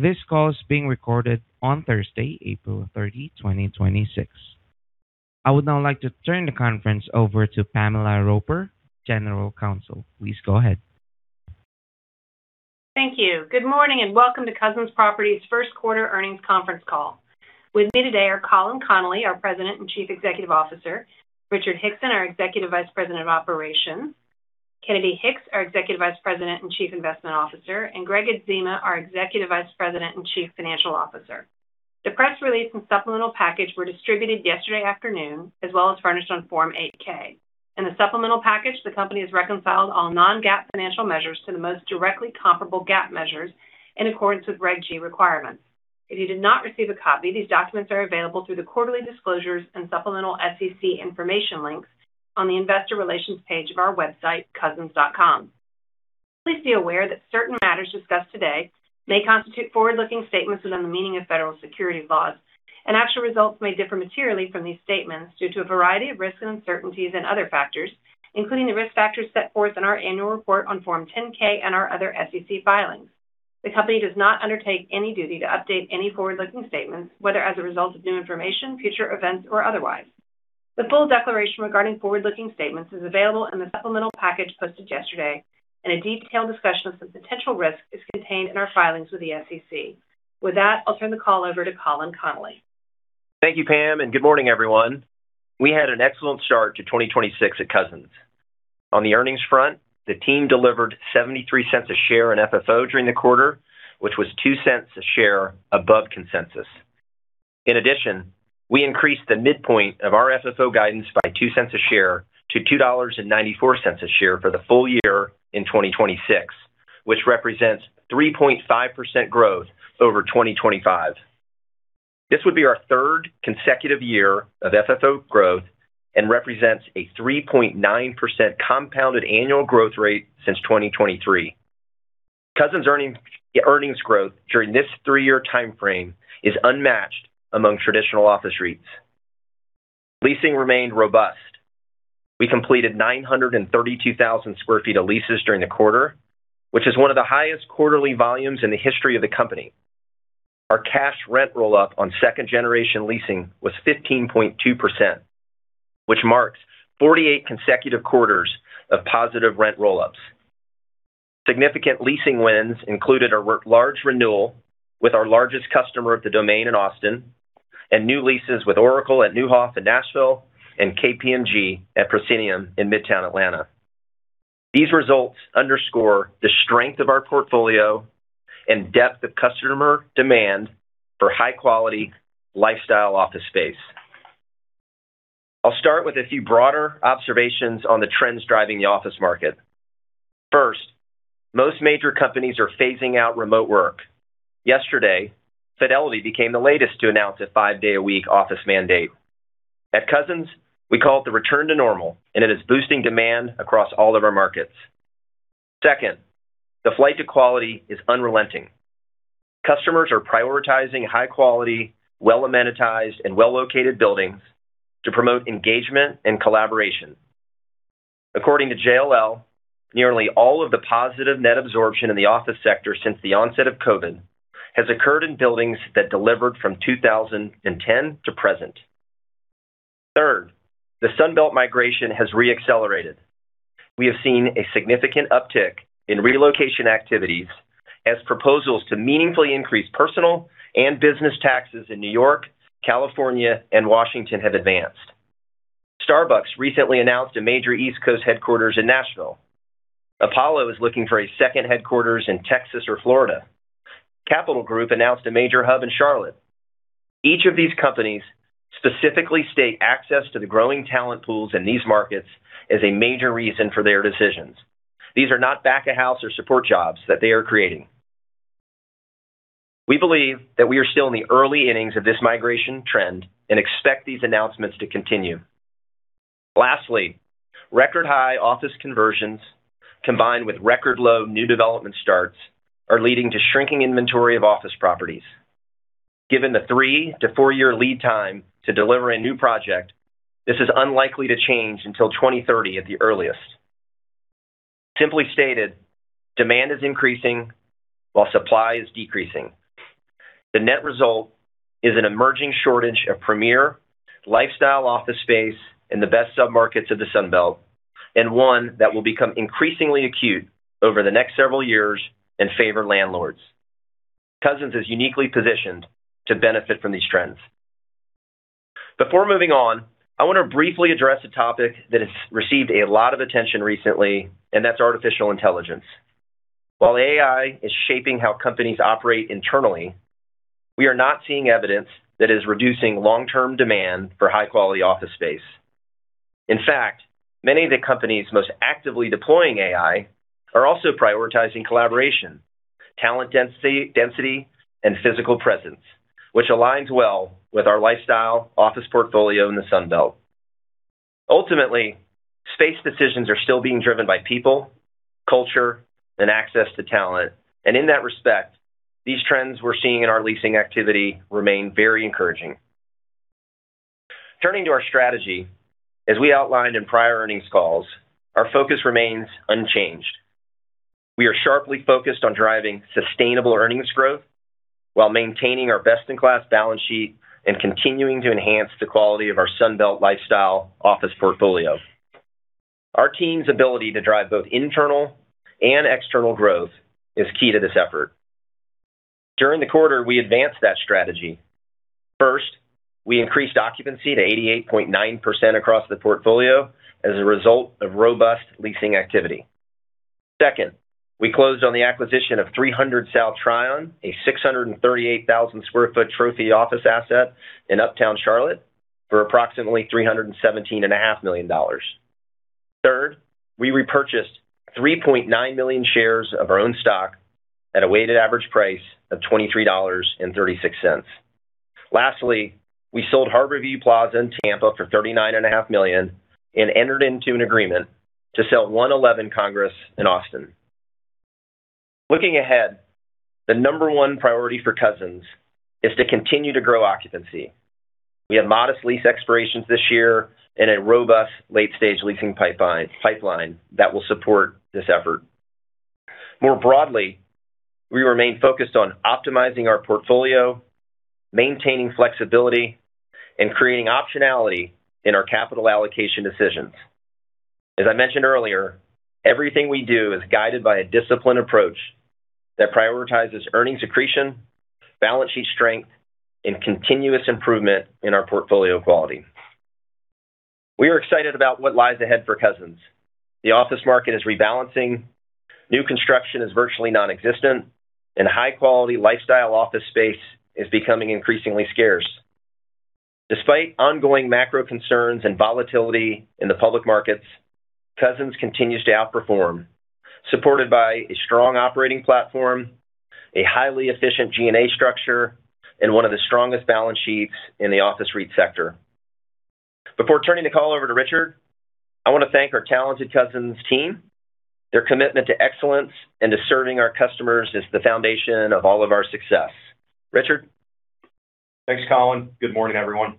This call is being recorded on Thursday, April 30, 2026. I would now like to turn the conference over to Pamela Roper, General Counsel. Please go ahead. Thank you. Good morning, and welcome to Cousins Properties 1st quarter earnings conference call. With me today are Colin Connolly, our President and Chief Executive Officer, Richard Hickson, our Executive Vice President of Operations, Kennedy Hicks, our Executive Vice President and Chief Investment Officer, and Gregg Adzema, our Executive Vice President and Chief Financial Officer. The press release and supplemental package were distributed yesterday afternoon as well as furnished on Form 8-K. In the supplemental package, the company has reconciled all non-GAAP financial measures to the most directly comparable GAAP measures in accordance with Regulation G requirements. If you did not receive a copy, these documents are available through the quarterly disclosures and supplemental SEC information links on the investor relations page of our website, cousins.com. Please be aware that certain matters discussed today may constitute forward-looking statements within the meaning of federal securities laws, and actual results may differ materially from these statements due to a variety of risks, uncertainties, and other factors, including the risk factors set forth in our annual report on Form 10-K and our other SEC filings. The company does not undertake any duty to update any forward-looking statements, whether as a result of new information, future events, or otherwise. The full declaration regarding forward-looking statements is available in the supplemental package posted yesterday, and a detailed discussion of the potential risks is contained in our filings with the SEC. With that, I'll turn the call over to Colin Connolly. Thank you, Pam, and good morning, everyone. We had an excellent start to 2026 at Cousins. On the earnings front, the team delivered $0.73 a share in FFO during the quarter, which was $0.02 a share above consensus. In addition, we increased the midpoint of our FFO guidance by $0.02 a share to $2.94 a share for the full year in 2026, which represents 3.5% growth over 2025. This would be our third consecutive year of FFO growth and represents a 3.9% compounded annual growth rate since 2023. Cousins' earnings growth during this three-year timeframe is unmatched among traditional office REITs. Leasing remained robust. We completed 932,000 sq ft of leases during the quarter, which is one of the highest quarterly volumes in the history of the company. Our cash rent roll-up on second-generation leasing was 15.2%, which marks 48 consecutive quarters of positive rent roll-ups. Significant leasing wins included a large renewal with our largest customer at The Domain in Austin and new leases with Oracle at Neuhoff in Nashville and KPMG at Proscenium in Midtown Atlanta. These results underscore the strength of our portfolio and depth of customer demand for high-quality lifestyle office space. I'll start with a few broader observations on the trends driving the office market. First, most major companies are phasing out remote work. Yesterday, Fidelity became the latest to announce a 5-day-a-week office mandate. At Cousins, we call it the return to normal, it is boosting demand across all of our markets. Second, the flight to quality is unrelenting. Customers are prioritizing high quality, well-amenitized, and well-located buildings to promote engagement and collaboration. According to JLL, nearly all of the positive net absorption in the office sector since the onset of COVID has occurred in buildings that delivered from 2010 to present. Third, the Sun Belt migration has re-accelerated. We have seen a significant uptick in relocation activities as proposals to meaningfully increase personal and business taxes in New York, California, and Washington have advanced. Starbucks recently announced a major East Coast headquarters in Nashville. Apollo is looking for a second headquarters in Texas or Florida. Capital Group announced a major hub in Charlotte. Each of these companies specifically state access to the growing talent pools in these markets as a major reason for their decisions. These are not back of house or support jobs that they are creating. We believe that we are still in the early innings of this migration trend and expect these announcements to continue. Lastly, record high office conversions combined with record low new development starts are leading to shrinking inventory of office properties. Given the 3 to 4-year lead time to deliver a new project, this is unlikely to change until 2030 at the earliest. Simply stated, demand is increasing while supply is decreasing. The net result is an emerging shortage of premier lifestyle office space in the best submarkets of the Sun Belt, and one that will become increasingly acute over the next several years and favor landlords. Cousins is uniquely positioned to benefit from these trends. Before moving on, I want to briefly address a topic that has received a lot of attention recently, and that's artificial intelligence. While AI is shaping how companies operate internally, we are not seeing evidence that it is reducing long-term demand for high-quality office space. In fact, many of the companies most actively deploying AI are also prioritizing collaboration, talent density, and physical presence, which aligns well with our lifestyle office portfolio in the Sun Belt. Ultimately, space decisions are still being driven by people, culture, and access to talent. In that respect, these trends we're seeing in our leasing activity remain very encouraging. Turning to our strategy, as we outlined in prior earnings calls, our focus remains unchanged. We are sharply focused on driving sustainable earnings growth while maintaining our best-in-class balance sheet and continuing to enhance the quality of our Sun Belt lifestyle office portfolio. Our team's ability to drive both internal and external growth is key to this effort. During the quarter, we advanced that strategy. First, we increased occupancy to 88.9% across the portfolio as a result of robust leasing activity. Second, we closed on the acquisition of 300 South Tryon, a 638,000 sq ft trophy office asset in Uptown Charlotte for approximately $317 and a half million. Third, we repurchased 3.9 million shares of our own stock at a weighted average price of $23.36. Lastly, we sold Harborview Plaza in Tampa for $39 and a half million and entered into an agreement to sell 111 Congress in Austin. Looking ahead, the number one priority for Cousins is to continue to grow occupancy. We have modest lease expirations this year and a robust late-stage leasing pipeline that will support this effort. More broadly, we remain focused on optimizing our portfolio, maintaining flexibility, and creating optionality in our capital allocation decisions. As I mentioned earlier, everything we do is guided by a disciplined approach that prioritizes earnings accretion, balance sheet strength, and continuous improvement in our portfolio quality. We are excited about what lies ahead for Cousins. The office market is rebalancing, new construction is virtually non-existent, and high-quality lifestyle office space is becoming increasingly scarce. Despite ongoing macro concerns and volatility in the public markets, Cousins continues to outperform, supported by a strong operating platform. A highly efficient G&A structure, and one of the strongest balance sheets in the office REIT sector. Before turning the call over to Richard, I want to thank our talented Cousins team. Their commitment to excellence and to serving our customers is the foundation of all of our success. Richard? Thanks, Colin. Good morning, everyone.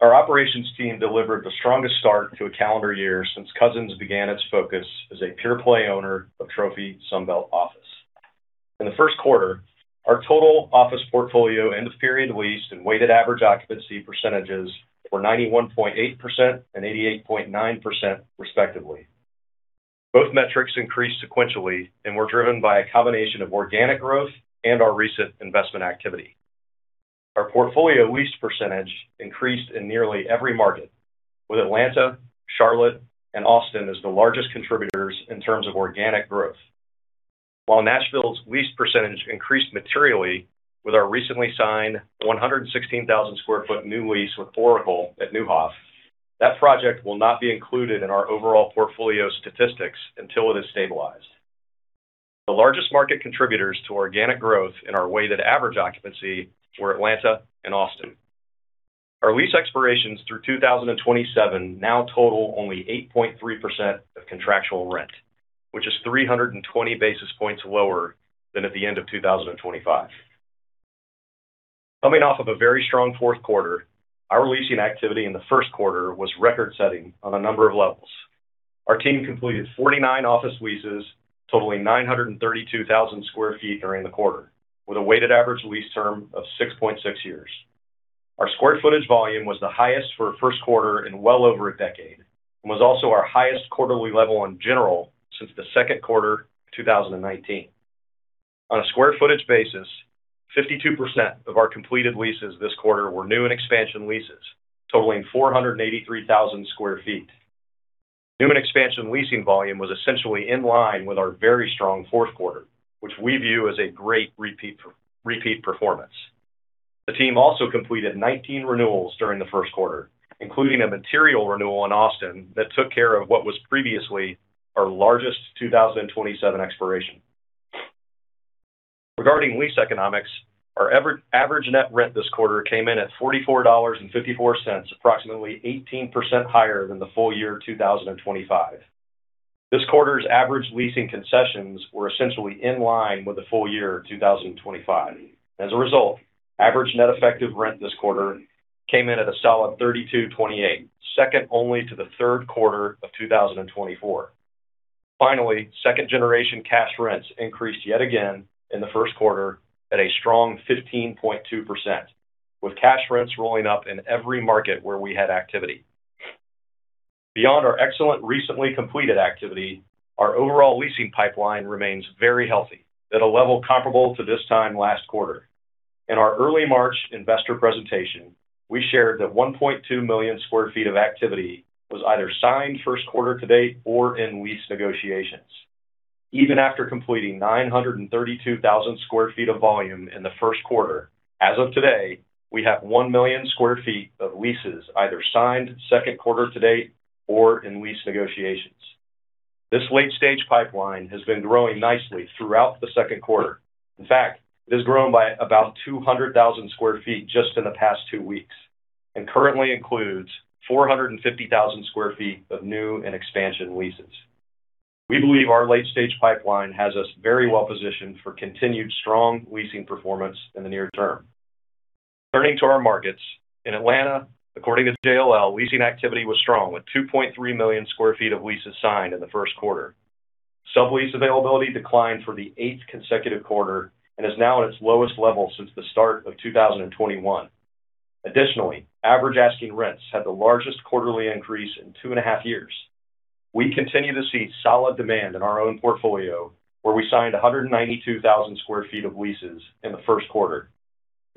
Our operations team delivered the strongest start to a calendar year since Cousins began its focus as a pure play owner of Trophy Sun Belt Office. In the first quarter, our total office portfolio end-of-period leased and weighted average occupancy percentages were 91.8 and 88.9% respectively. Both metrics increased sequentially and were driven by a combination of organic growth and our recent investment activity. Our portfolio leased percentage increased in nearly every market, with Atlanta, Charlotte, and Austin as the largest contributors in terms of organic growth. Nashville's leased percentage increased materially with our recently signed 116,000 sq ft new lease with Oracle at Neuhoff. That project will not be included in our overall portfolio statistics until it is stabilized. The largest market contributors to organic growth in our weighted average occupancy were Atlanta and Austin. Our lease expirations through 2027 now total only 8.3% of contractual rent, which is 320 basis points lower than at the end of 2025. Coming off of a very strong fourth quarter, our leasing activity in the first quarter was record-setting on a number of levels. Our team completed 49 office leases totaling 932,000 sq ft during the quarter, with a weighted average lease term of 6.6 years. Our square footage volume was the highest for a first quarter in well over a decade and was also our highest quarterly level in general since the second quarter of 2019. On a square footage basis, 52% of our completed leases this quarter were new and expansion leases, totaling 483,000 square feet. New and expansion leasing volume was essentially in line with our very strong fourth quarter, which we view as a great repeat performance. The team also completed 19 renewals during the first quarter, including a material renewal in Austin that took care of what was previously our largest 2027 expiration. Regarding lease economics, our average net rent this quarter came in at $44.54, approximately 18% higher than the full year 2025. This quarter's average leasing concessions were essentially in line with the full year 2025. As a result, average net effective rent this quarter came in at a solid $32.28, second only to the third quarter of 2024. Finally, second generation cash rents increased yet again in the first quarter at a strong 15.2%, with cash rents rolling up in every market where we had activity. Beyond our excellent recently completed activity, our overall leasing pipeline remains very healthy at a level comparable to this time last quarter. In our early March investor presentation, we shared that 1.2 million sq ft of activity was either signed first quarter to date or in lease negotiations. Even after completing 932,000 sq ft of volume in the first quarter, as of today, we have 1 million sq ft of leases either signed second quarter to date or in lease negotiations. This late stage pipeline has been growing nicely throughout the second quarter. In fact, it has grown by about 200,000 sq ft just in the past two weeks and currently includes 450,000 sq ft of new and expansion leases. We believe our late-stage pipeline has us very well positioned for continued strong leasing performance in the near term. Turning to our markets. In Atlanta, according to JLL, leasing activity was strong, with 2.3 million sq ft of leases signed in the first quarter. Sublease availability declined for the eighth consecutive quarter and is now at its lowest level since the start of 2021. Additionally, average asking rents had the largest quarterly increase in two and a half years. We continue to see solid demand in our own portfolio, where we signed 192,000 square feet of leases in the first quarter.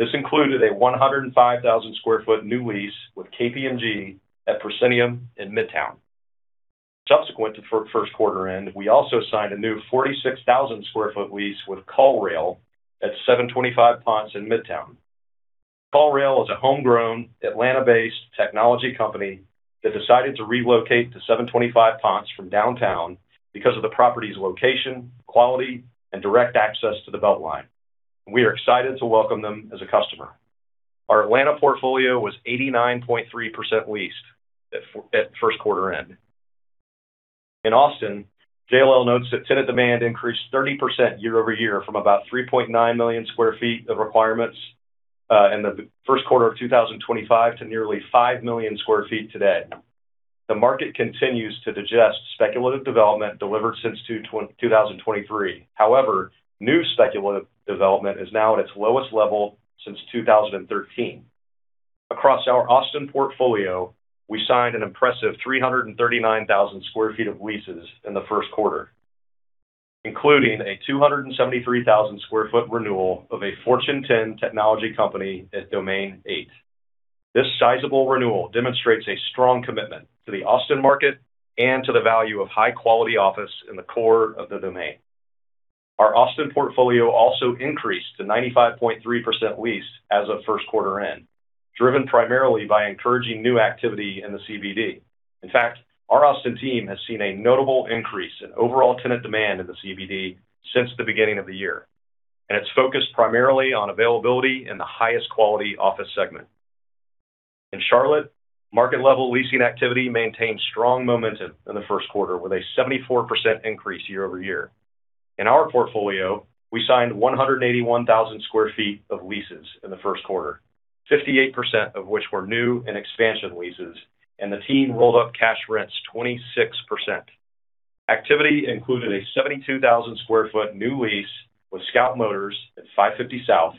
This included a 105,000 square foot new lease with KPMG at Proscenium in Midtown. Subsequent to first quarter end, we also signed a new 46,000 square foot lease with CallRail at 725 Ponce in Midtown. CallRail is a homegrown Atlanta-based technology company that decided to relocate to 725 Ponce from downtown because of the property's location, quality, and direct access to the BeltLine. We are excited to welcome them as a customer. Our Atlanta portfolio was 89.3% leased at first quarter end. In Austin, JLL notes that tenant demand increased 30% year-over-year from about 3.9 million square feet of requirements in the first quarter of 2025 to nearly 5 million square feet today. The market continues to digest speculative development delivered since 2023. However, new speculative development is now at its lowest level since 2013. Across our Austin portfolio, we signed an impressive 339,000 square feet of leases in the first quarter, including a 273,000 square foot renewal of a Fortune 10 technology company at Domain 8. This sizable renewal demonstrates a strong commitment to the Austin market and to the value of high-quality office in the core of The Domain. Our Austin portfolio also increased to 95.3% leased as of 1st quarter end, driven primarily by encouraging new activity in the CBD. In fact, our Austin team has seen a notable increase in overall tenant demand in the CBD since the beginning of the year, and it's focused primarily on availability in the highest quality office segment. In Charlotte, market-level leasing activity maintained strong momentum in the first quarter with a 74% increase year-over-year. In our portfolio, we signed 181,000 sq ft of leases in the first quarter, 58% of which were new and expansion leases, and the team rolled up cash rents 26%. Activity included a 72,000 sq ft new lease with Scout Motors at 550 South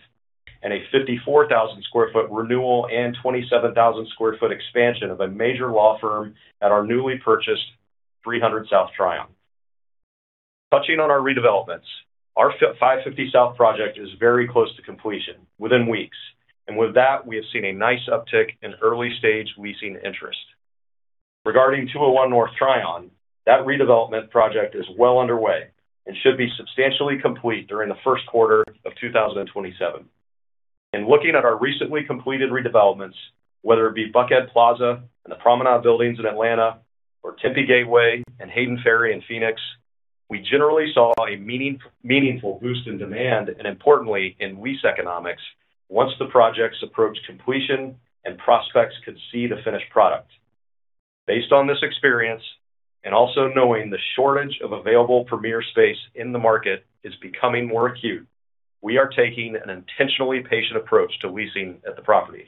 and a 54,000 sq ft renewal and 27,000 sq ft expansion of a major law firm at our newly purchased 300 South Tryon. Touching on our redevelopments, our 550 South project is very close to completion within weeks, and with that, we have seen a nice uptick in early-stage leasing interest. Regarding 201 North Tryon, that redevelopment project is well underway and should be substantially complete during the first quarter of 2027. In looking at our recently completed redevelopments, whether it be Buckhead Plaza and the Promenade buildings in Atlanta or Tempe Gateway and Hayden Ferry in Phoenix, we generally saw a meaningful boost in demand and importantly in lease economics once the projects approached completion and prospects could see the finished product. Based on this experience, and also knowing the shortage of available premier space in the market is becoming more acute, we are taking an intentionally patient approach to leasing at the property.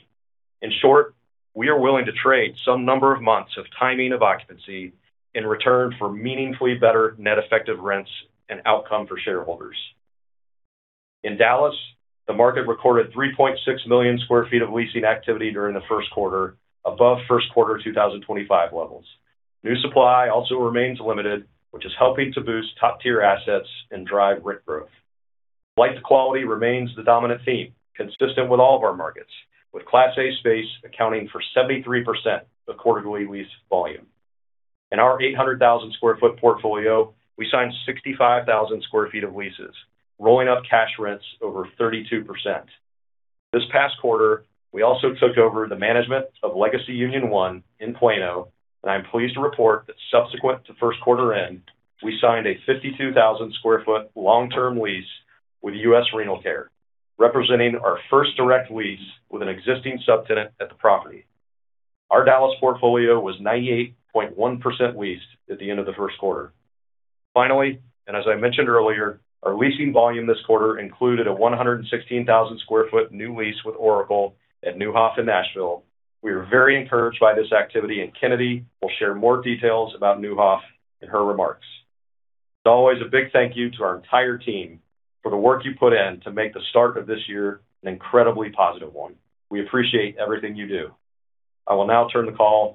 In short, we are willing to trade some number of months of timing of occupancy in return for meaningfully better net effective rents and outcome for shareholders. In Dallas, the market recorded 3.6 million sq ft of leasing activity during the first quarter, above first quarter 2025 levels. New supply also remains limited, which is helping to boost top-tier assets and drive rent growth. Light quality remains the dominant theme consistent with all of our markets, with Class A space accounting for 73% of quarterly lease volume. In our 800,000 sq ft portfolio, we signed 65,000 sq ft of leases, rolling up cash rents over 32%. This past quarter, we also took over the management of Legacy Union One in Plano, and I'm pleased to report that subsequent to first quarter end, we signed a 52,000 sq ft long-term lease with U.S. Renal Care, representing our first direct lease with an existing subtenant at the property. Our Dallas portfolio was 98.1% leased at the end of the first quarter. Finally, and as I mentioned earlier, our leasing volume this quarter included a 116,000 sq ft new lease with Oracle at Neuhoff in Nashville. We are very encouraged by this activity, and Kennedy will share more details about Neuhoff in her remarks. As always, a big thank you to our entire team for the work you put in to make the start of this year an incredibly positive one. We appreciate everything you do. I will now turn the call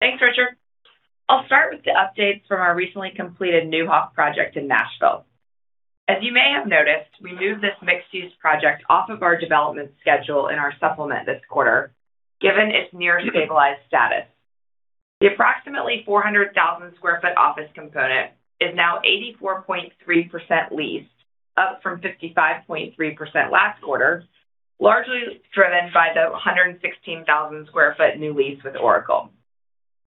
over to Kennedy. Thanks, Richard. I'll start with the updates from our recently completed Neuhoff project in Nashville. As you may have noticed, we moved this mixed-use project off of our development schedule in our supplement this quarter, given its near-stabilized status. The approximately 400,000 sq ft office component is now 84.3% leased, up from 55.3% last quarter, largely driven by the 116,000 sq ft new lease with Oracle.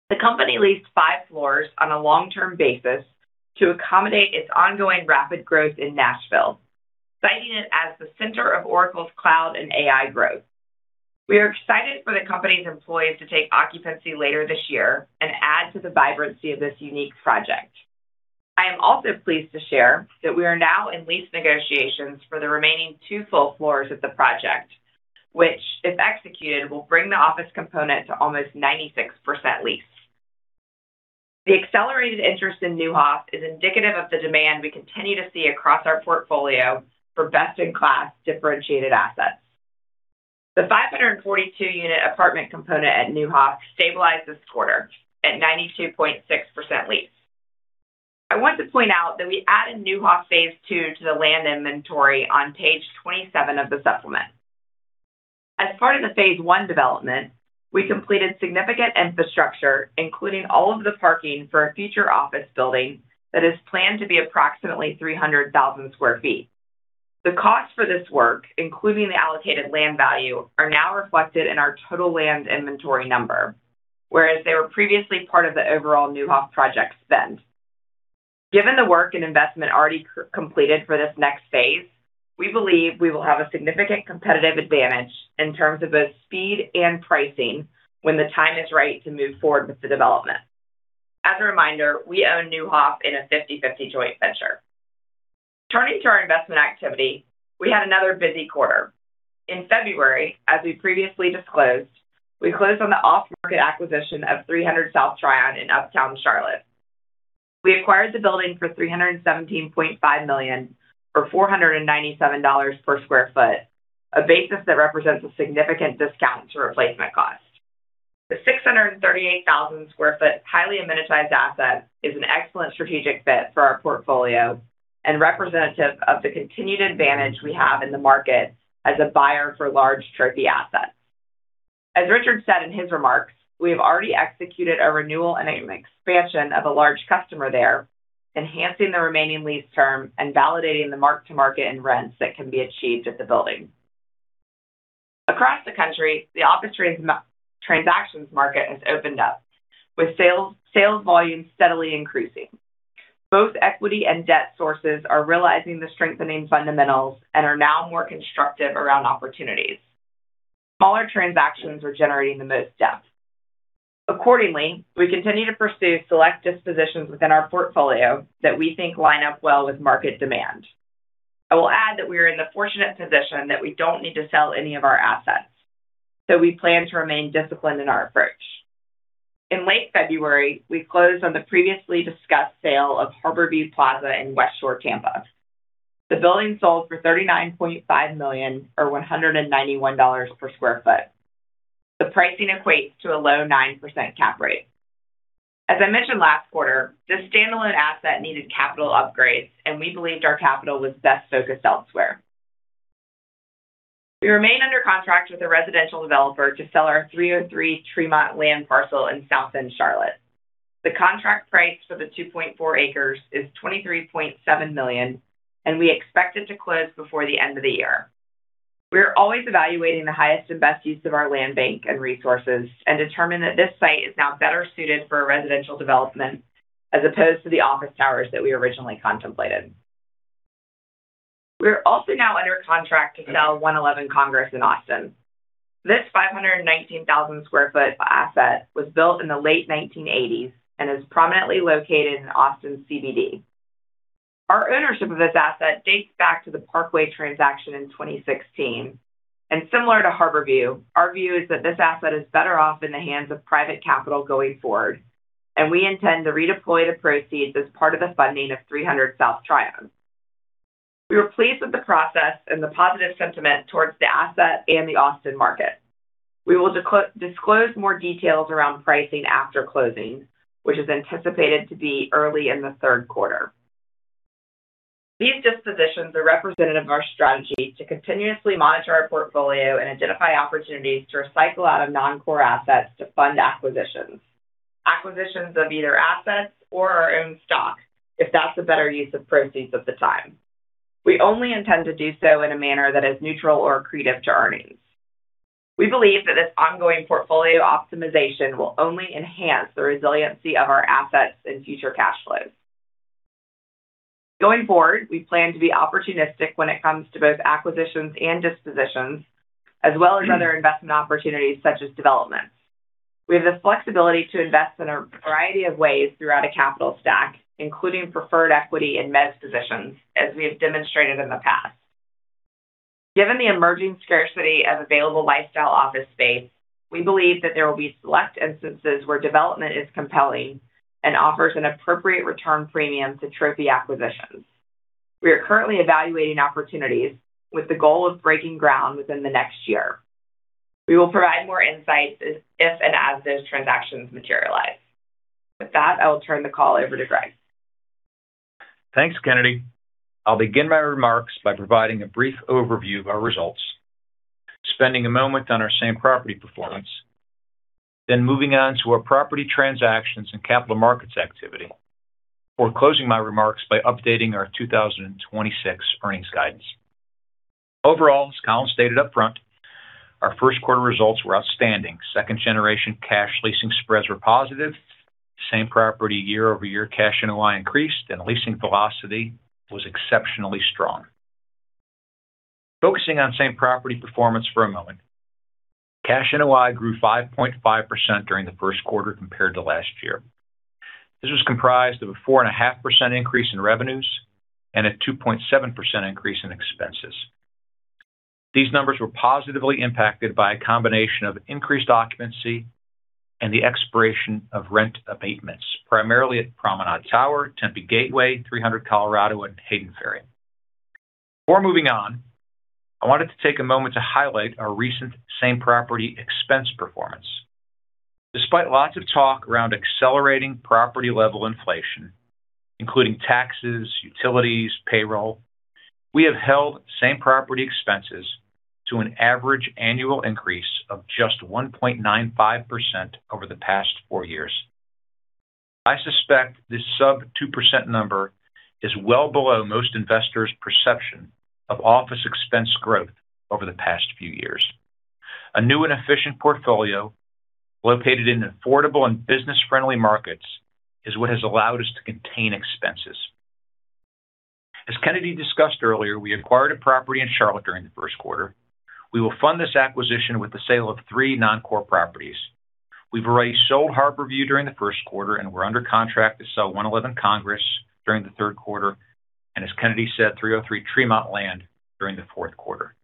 The company leased five floors on a long-term basis to accommodate its ongoing rapid growth in Nashville, citing it as the center of Oracle's cloud and AI growth. We are excited for the company's employees to take occupancy later this year and add to the vibrancy of this unique project. I am also pleased to share that we are now in lease negotiations for the remaining two full floors of the project, which, if executed, will bring the office component to almost 96% leased. The accelerated interest in Neuhoff is indicative of the demand we continue to see across our portfolio for best-in-class differentiated assets. The 542 unit apartment component at Neuhoff stabilized this quarter at 92.6 leased. I want to point out that I added Neuhoff phase two to the land inventory on page 27 of the supplement. As part of the phase 1 development, we completed significant infrastructure, including all of the parking for a future office building that is planned to be approximately 300,000 sq ft. The cost for this work, including the allocated land value, are now reflected in our total land inventory number, whereas they were previously part of the overall Neuhoff project spend. Given the work and investment already completed for this next phase, we believe we will have a significant competitive advantage in terms of both speed and pricing when the time is right to move forward with the development. As a reminder, we own Neuhoff in a 50/50 joint venture. Turning to our investment activity, we had another busy quarter. In February, as we previously disclosed, we closed on the off-market acquisition of 300 South Tryon in Uptown Charlotte. We acquired the building for $317.5 million, for $497 per square foot, a basis that represents a significant discount to replacement cost. The 638,000 sq ft highly amenitized asset is an excellent strategic fit for our portfolio and representative of the continued advantage we have in the market as a buyer for large trophy assets. As Richard said in his remarks, we have already executed a renewal and an expansion of a large customer there, enhancing the remaining lease term and validating the mark-to-market in rents that can be achieved at the building. Across the country, the office transactions market has opened up, with sales volume steadily increasing. Both equity and debt sources are realizing the strengthening fundamentals and are now more constructive around opportunities. Smaller transactions are generating the most depth. Accordingly, we continue to pursue select dispositions within our portfolio that we think line up well with market demand. I will add that we are in the fortunate position that we don't need to sell any of our assets, so we plan to remain disciplined in our approach. In late February, we closed on the previously discussed sale of Harborview Plaza in West Shore, Tampa. The building sold for $39.5 million or $191 per sq ft. The pricing equates to a low 9% cap rate. As I mentioned last quarter, this standalone asset needed capital upgrades, and we believed our capital was best focused elsewhere. We remain under contract with a residential developer to sell our 303 Tremont land parcel in South End Charlotte. The contract price for the 2.4 acres is $23.7 million, and we expect it to close before the end of the year. We are always evaluating the highest and best use of our land bank and resources and determine that this site is now better suited for a residential development as opposed to the office towers that we originally contemplated. We are also now under contract to sell 111 Congress in Austin. This 519,000 sq ft asset was built in the late 1980s and is prominently located in Austin's CBD. Our ownership of this asset dates back to the Parkway transaction in 2016, and similar to Harbor View, our view is that this asset is better off in the hands of private capital going forward, and we intend to redeploy the proceeds as part of the funding of 300 South Tryon. We were pleased with the process and the positive sentiment towards the asset and the Austin market. We will disclose more details around pricing after closing, which is anticipated to be early in the third quarter. These dispositions are representative of our strategy to continuously monitor our portfolio and identify opportunities to recycle out of non-core assets to fund acquisitions. Acquisitions of either assets or our own stock, if that's the better use of proceeds at the time. We only intend to do so in a manner that is neutral or accretive to earnings. We believe that this ongoing portfolio optimization will only enhance the resiliency of our assets and future cash flows. Going forward, we plan to be opportunistic when it comes to both acquisitions and dispositions, as well as other investment opportunities such as development. We have the flexibility to invest in a variety of ways throughout a capital stack, including preferred equity and mezz positions, as we have demonstrated in the past. Given the emerging scarcity of available lifestyle office space, we believe that there will be select instances where development is compelling and offers an appropriate return premium to trophy acquisitions. We are currently evaluating opportunities with the goal of breaking ground within the next year. We will provide more insights if and as those transactions materialize. With that, I will turn the call over to Gregg. Thanks, Kennedy. I'll begin my remarks by providing a brief overview of our results, spending a moment on our same property performance, moving on to our property transactions and capital markets activity, before closing my remarks by updating our 2026 earnings guidance. As Colin stated up front, our first quarter results were outstanding. Second generation cash leasing spreads were positive. Same property year-over-year cash NOI increased and leasing velocity was exceptionally strong. Focusing on same property performance for a moment. Cash NOI grew 5.5% during the first quarter compared to last year. This was comprised of a 4.5% increase in revenues and a 2.7% increase in expenses. These numbers were positively impacted by a combination of increased occupancy and the expiration of rent abatements, primarily at Promenade Tower, Tempe Gateway, 300 Colorado, and Hayden Ferry. Before moving on, I wanted to take a moment to highlight our recent same property expense performance. Despite lots of talk around accelerating property level inflation, including taxes, utilities, payroll, we have held same property expenses to an average annual increase of just 1.95% over the past four years. I suspect this sub 2% number is well below most investors' perception of office expense growth over the past few years. A new and efficient portfolio located in affordable and business friendly markets is what has allowed us to contain expenses. As Kennedy Hicks discussed earlier, we acquired a property in Charlotte during the first quarter. We will fund this acquisition with the sale of three non-core properties. We've already sold Harborview during the 1st quarter, and we're under contract to sell 111 Congress during the 3rd quarter, and as Kennedy said, 303 Tremont land during the 4th quarter.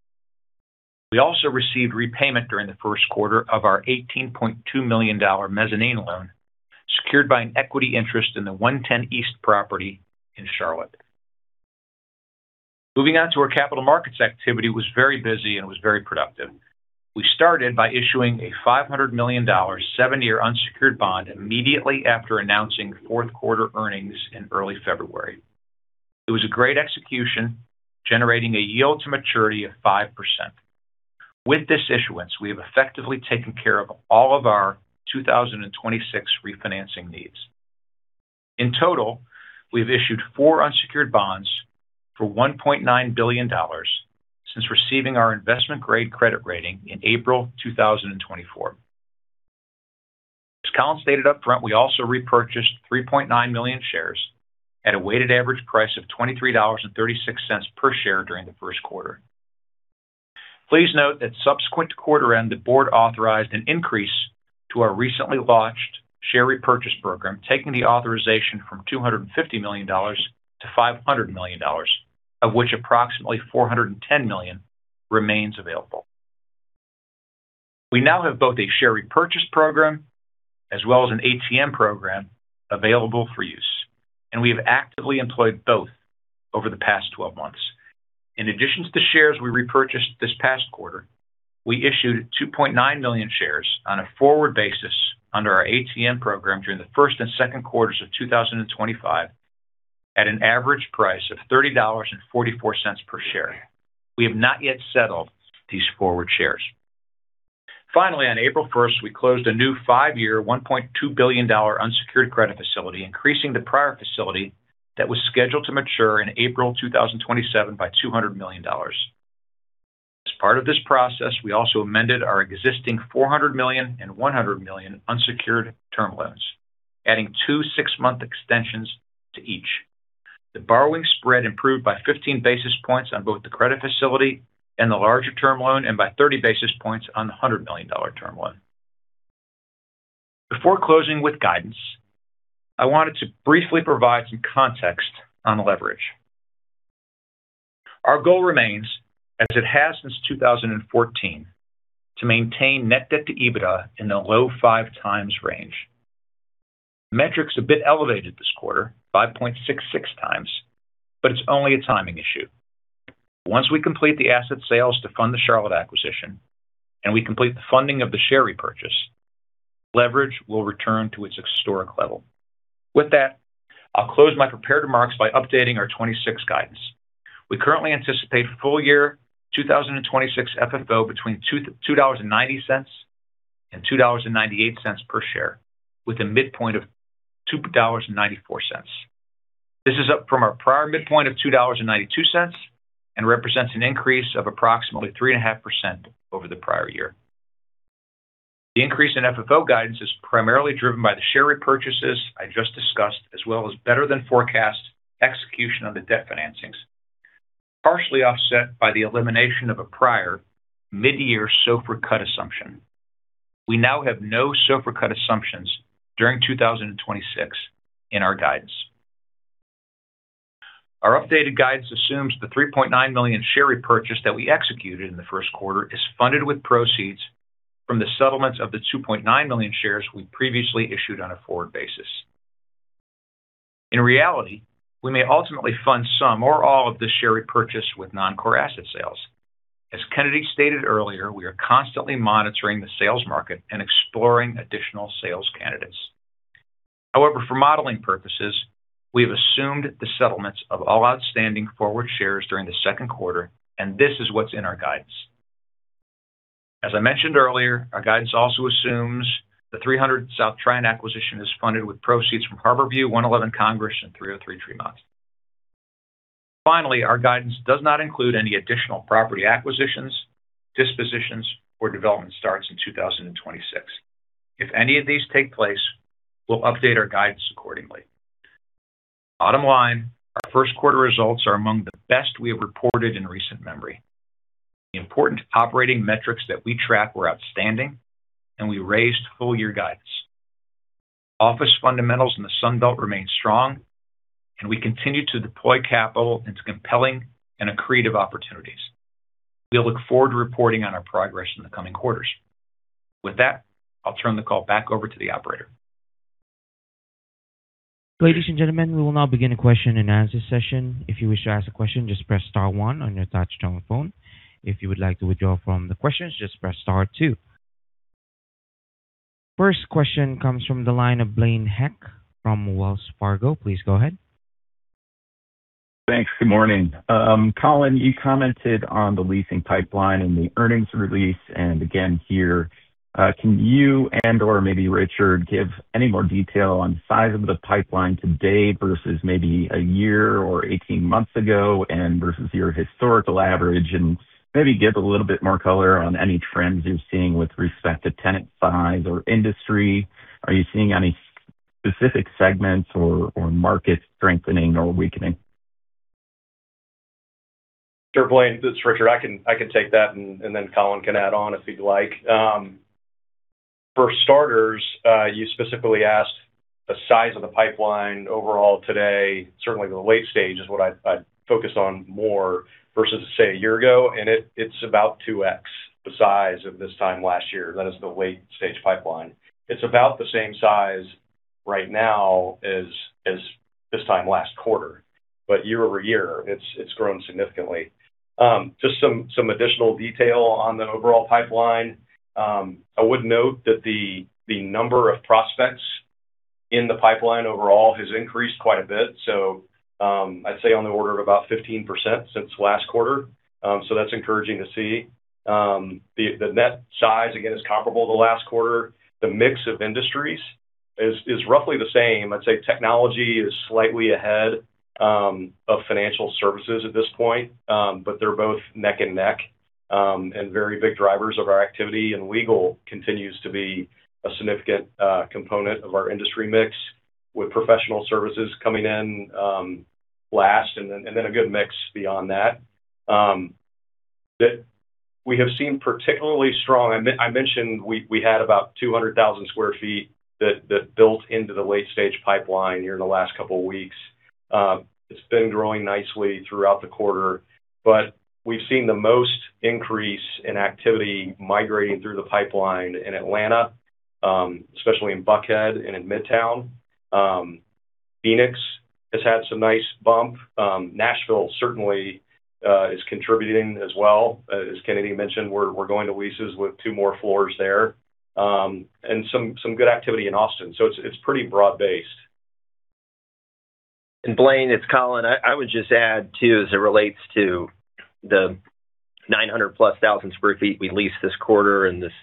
We also received repayment during the 1st quarter of our $18.2 million mezzanine loan secured by an equity interest in the 110 East property in Charlotte. Moving on to our capital markets activity was very busy and was very productive. We started by issuing a $500 million 7-year unsecured bond immediately after announcing 4th quarter earnings in early February. It was a great execution, generating a yield to maturity of 5%. With this issuance, we have effectively taken care of all of our 2026 refinancing needs. In total, we have issued four unsecured bonds for $1.9 billion since receiving our investment grade credit rating in April 2024. As Colin stated upfront, we also repurchased 3.9 million shares at a weighted average price of $23.36 per share during the first quarter. Please note that subsequent to quarter end, the board authorized an increase to our recently launched share repurchase program, taking the authorization from $250 million to $500 million, of which approximately $410 million remains available. We now have both a share repurchase program as well as an ATM program available for use. We have actively employed both over the past 12 months. In addition to the shares we repurchased this past quarter, we issued 2.9 million shares on a forward basis under our ATM program during the first and second quarters of 2025 at an average price of $30.44 per share. We have not yet settled these forward shares. On April first, we closed a new 5-year, $1.2 billion unsecured credit facility, increasing the prior facility that was scheduled to mature in April 2027 by $200 million. As part of this process, we also amended our existing $400 million and $100 million unsecured term loans, adding two six-month extensions to each. The borrowing spread improved by 15 basis points on both the credit facility and the larger term loan, and by 30 basis points on the $100 million term loan. Before closing with guidance, I wanted to briefly provide some context on leverage. Our goal remains, as it has since 2014, to maintain net debt to EBITDA in the low 5x range. Metrics a bit elevated this quarter, 5.66x, but it's only a timing issue. Once we complete the asset sales to fund the Charlotte acquisition and we complete the funding of the share repurchase, leverage will return to its historic level. With that, I'll close my prepared remarks by updating our 2026 guidance. We currently anticipate full year 2026 FFO between $2.90 and $2.98 per share, with a midpoint of $2.94. This is up from our prior midpoint of $2.92 and represents an increase of approximately 3.5% over the prior year. The increase in FFO guidance is primarily driven by the share repurchases I just discussed, as well as better than forecast execution on the debt financings, partially offset by the elimination of a prior mid-year SOFR cut assumption. We now have no SOFR cut assumptions during 2026 in our guidance. Our updated guidance assumes the 3.9 million share repurchase that we executed in the first quarter is funded with proceeds from the settlements of the 2.9 million shares we previously issued on a forward basis. In reality, we may ultimately fund some or all of the share repurchase with non-core asset sales. As Kennedy stated earlier, we are constantly monitoring the sales market and exploring additional sales candidates. For modeling purposes, we have assumed the settlements of all outstanding forward shares during the second quarter, and this is what's in our guidance. As I mentioned earlier, our guidance also assumes the 300 South Tryon acquisition is funded with proceeds from Harborview, 111 Congress, and 303 Tremont. Finally, our guidance does not include any additional property acquisitions, dispositions, or development starts in 2026. If any of these take place, we'll update our guidance accordingly. Bottom line, our first quarter results are among the best we have reported in recent memory. The important operating metrics that we track were outstanding, and we raised full year guidance. Office fundamentals in the Sun Belt remain strong, and we continue to deploy capital into compelling and accretive opportunities. We look forward to reporting on our progress in the coming quarters. With that, I'll turn the call back over to the operator. Ladies and gentlemen, we will now begin a question and answer session. If you wish to ask a question, just press star one on your touchtone phone. If you would like to withdraw from the questions, just press star two. First question comes from the line of Blaine Heck from Wells Fargo. Please go ahead. Thanks. Good morning. Colin, you commented on the leasing pipeline in the earnings release and again here. Can you and/or maybe Richard give any more detail on size of the pipeline today versus maybe one year or 18 months ago and versus your historical average? Maybe give a little bit more color on any trends you're seeing with respect to tenant size or industry. Are you seeing any specific segments or markets strengthening or weakening? Sure, Blaine. This is Richard. I can take that, and then Colin can add on if he'd like. For starters, you specifically asked the size of the pipeline overall today. Certainly, the late stage is what I'd focus on more versus, say, a year ago. It's about 2x the size of this time last year. That is the late stage pipeline. It's about the same size right now as this time last quarter. Year-over-year, it's grown significantly. Just some additional detail on the overall pipeline. I would note that the number of prospects in the pipeline overall has increased quite a bit. I'd say on the order of about 15% since last quarter. That's encouraging to see. The net size, again, is comparable to last quarter. The mix of industries is roughly the same. I'd say technology is slightly ahead of financial services at this point. They're both neck and neck and very big drivers of our activity. Legal continues to be a significant component of our industry mix, with professional services coming in last and then a good mix beyond that. I mentioned we had about 200,000 sq ft that built into the late stage pipeline here in the last couple weeks. It's been growing nicely throughout the quarter. We've seen the most increase in activity migrating through the pipeline in Atlanta, especially in Buckhead and in Midtown. Phoenix has had some nice bump. Nashville certainly is contributing as well. As Kennedy mentioned, we're going to leases with two more floors there. Some good activity in Austin. It's, it's pretty broad based. Blaine, it's Colin. I would just add too, as it relates to the 900 plus thousand sq ft we leased this quarter and this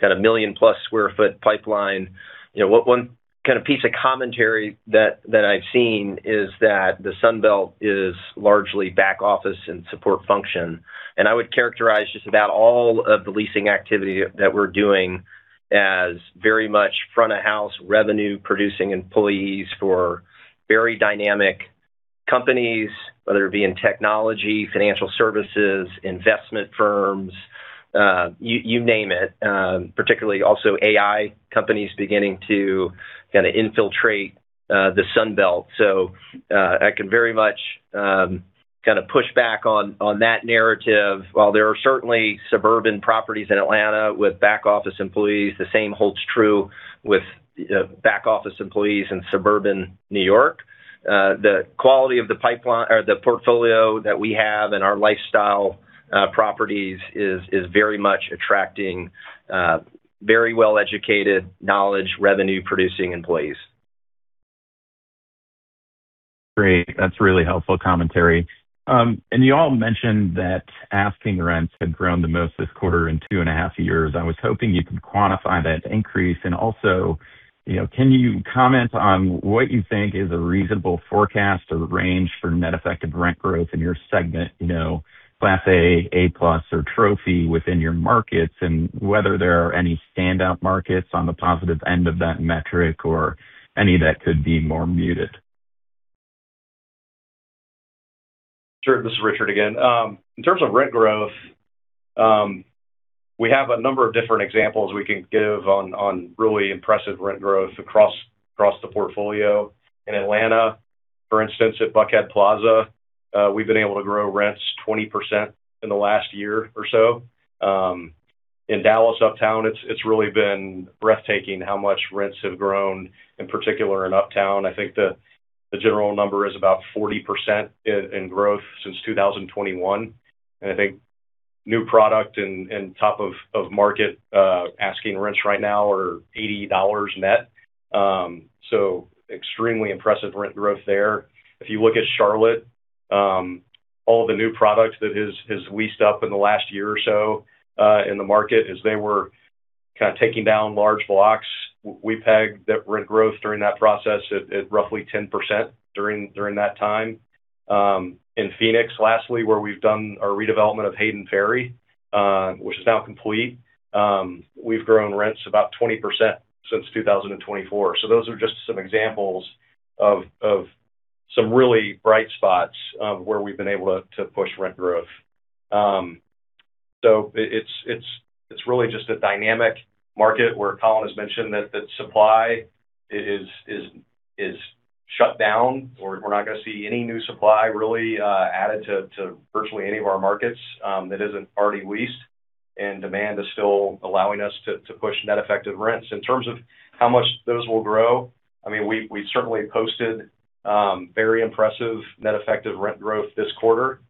kind of 1 million plus sq ft pipeline. You know, one kind of piece of commentary that I've seen is that the Sun Belt is largely back office and support function. I would characterize just about all of the leasing activity that we're doing as very much front of house revenue producing employees for very dynamic companies, whether it be in technology, financial services, investment firms, you name it. Particularly also AI companies beginning to kind of infiltrate the Sun Belt. I can very much kind of push back on that narrative. While there are certainly suburban properties in Atlanta with back office employees, the same holds true with back office employees in suburban New York. The quality of the pipeline or the portfolio that we have and our lifestyle properties is very much attracting very well-educated, knowledge, revenue producing employees. Great. That's really helpful commentary. You all mentioned that asking rents have grown the most this quarter in two and a half years. I was hoping you could quantify that increase. Also, you know, can you comment on what you think is a reasonable forecast or range for net effective rent growth in your segment? You know, Class A+ or trophy within your markets, and whether there are any standout markets on the positive end of that metric or any that could be more muted. Sure. This is Richard again. In terms of rent growth, we have a number of different examples we can give on really impressive rent growth across the portfolio. In Atlanta, for instance, at Buckhead Plaza, we've been able to grow rents 20% in the last year or so. In Dallas Uptown, it's really been breathtaking how much rents have grown, in particular in Uptown. I think the general number is about 40% in growth since 2021. I think new product and top of market asking rents right now are $80 net. So extremely impressive rent growth there. If you look at Charlotte, all the new product that has leased up in the last year or so in the market is they were kind of taking down large blocks. We pegged that rent growth during that process at roughly 10% during that time. In Phoenix, lastly, where we've done our redevelopment of Hayden Ferry, which is now complete, we've grown rents about 20% since 2024. Those are just some examples of some really bright spots of where we've been able to push rent growth. It's really just a dynamic market where Colin has mentioned that the supply is shut down. We're not gonna see any new supply really added to virtually any of our markets that isn't already leased, and demand is still allowing us to push net effective rents. In terms of how much those will grow, I mean, we certainly posted very impressive net effective rent growth this quarter.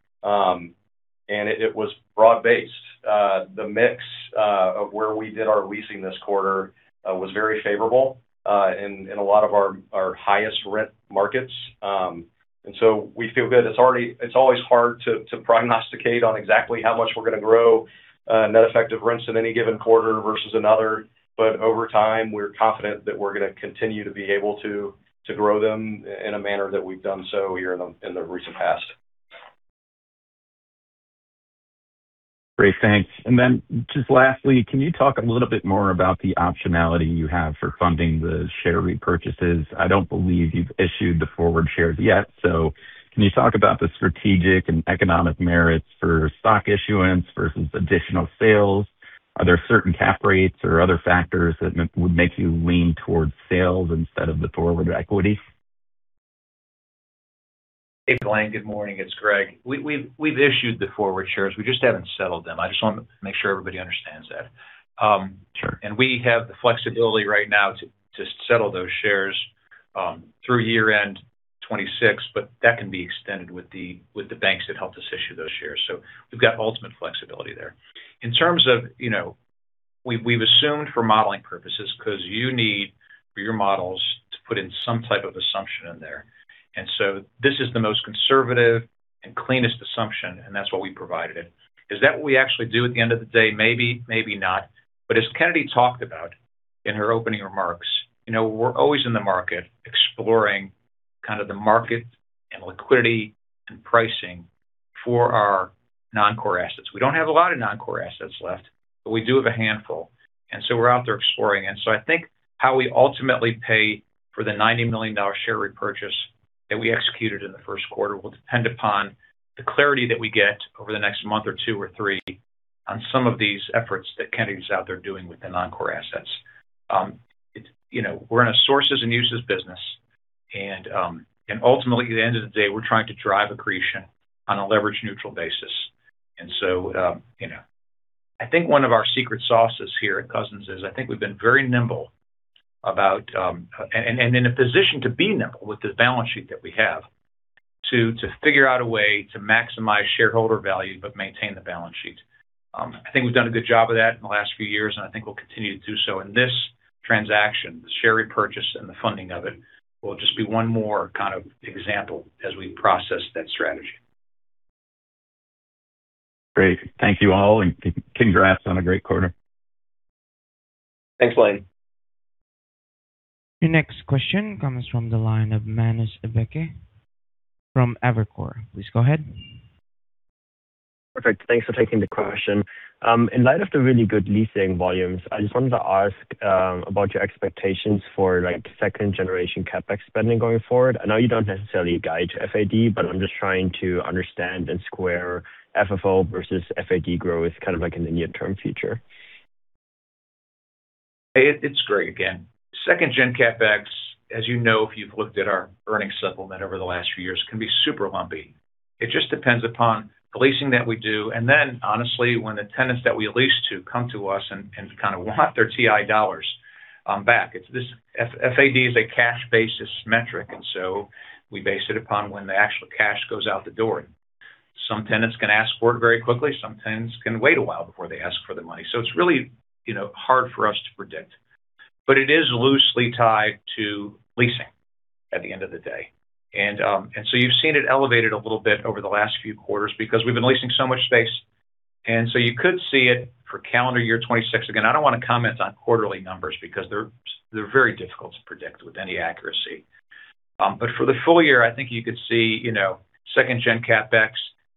It was broad-based. The mix of where we did our leasing this quarter was very favorable in a lot of our highest rent markets. We feel good. It's always hard to prognosticate on exactly how much we're gonna grow net effective rents in any given quarter versus another. Over time, we're confident that we're gonna continue to be able to grow them in a manner that we've done so here in the recent past. Great. Thanks. Just lastly, can you talk a little bit more about the optionality you have for funding the share repurchases? I don't believe you've issued the forward shares yet. Can you talk about the strategic and economic merits for stock issuance versus additional sales? Are there certain cap rates or other factors that would make you lean towards sales instead of the forward equity? Hey, Blaine. Good morning. It's Greg. We've issued the forward shares, we just haven't settled them. I just want to make sure everybody understands that. We have the flexibility right now to settle those shares through year-end 2026, but that can be extended with the banks that helped us issue those shares. We've got ultimate flexibility there. In terms of, you know, we've assumed for modeling purposes because you need, for your models, to put in some type of assumption in there. This is the most conservative and cleanest assumption, and that's what we provided. Is that what we actually do at the end of the day? Maybe, maybe not. As Kennedy talked about in her opening remarks, you know, we're always in the market exploring kind of the market and liquidity and pricing for our non-core assets. We don't have a lot of non-core assets left, but we do have a handful, and so we're out there exploring. I think how we ultimately pay for the $90 million share repurchase that we executed in the first quarter will depend upon the clarity that we get over the next month or two or three on some of these efforts that Kennedy's out there doing with the non-core assets. It's, you know, we're in a sources and uses business, and ultimately, at the end of the day, we're trying to drive accretion on a leverage neutral basis. You know, I think one of our secret sauces here at Cousins is I think we've been very nimble about, in a position to be nimble with the balance sheet that we have to figure out a way to maximize shareholder value but maintain the balance sheet. I think we've done a good job of that in the last few years, and I think we'll continue to do so. This transaction, the share repurchase and the funding of it, will just be one more kind of example as we process that strategy. Great. Thank you all. Congrats on a great quarter. Thanks, Blaine. Your next question comes from the line of Manus Ebbecke from Evercore ISI. Please go ahead. Perfect. Thanks for taking the question. In light of the really good leasing volumes, I just wanted to ask about your expectations for like second generation CapEx spending going forward. I know you don't necessarily guide to FAD. I'm just trying to understand and square FFO versus FAD growth, kind of like in the near-term future. Hey, it's Gregg again. Second gen CapEx, as you know, if you've looked at our earnings supplement over the last few years, can be super lumpy. It just depends upon the leasing that we do, and then honestly, when the tenants that we lease to come to us and kind of want their TI dollars back. FAD is a cash basis metric, we base it upon when the actual cash goes out the door. Some tenants can ask for it very quickly, some tenants can wait a while before they ask for the money. It's really, you know, hard for us to predict. But it is loosely tied to leasing at the end of the day. You've seen it elevated a little bit over the last few quarters because we've been leasing so much space. You could see it for calendar year 2026. Again, I don't want to comment on quarterly numbers because they're very difficult to predict with any accuracy. For the full year, I think you could see, you know, second-gen CapEx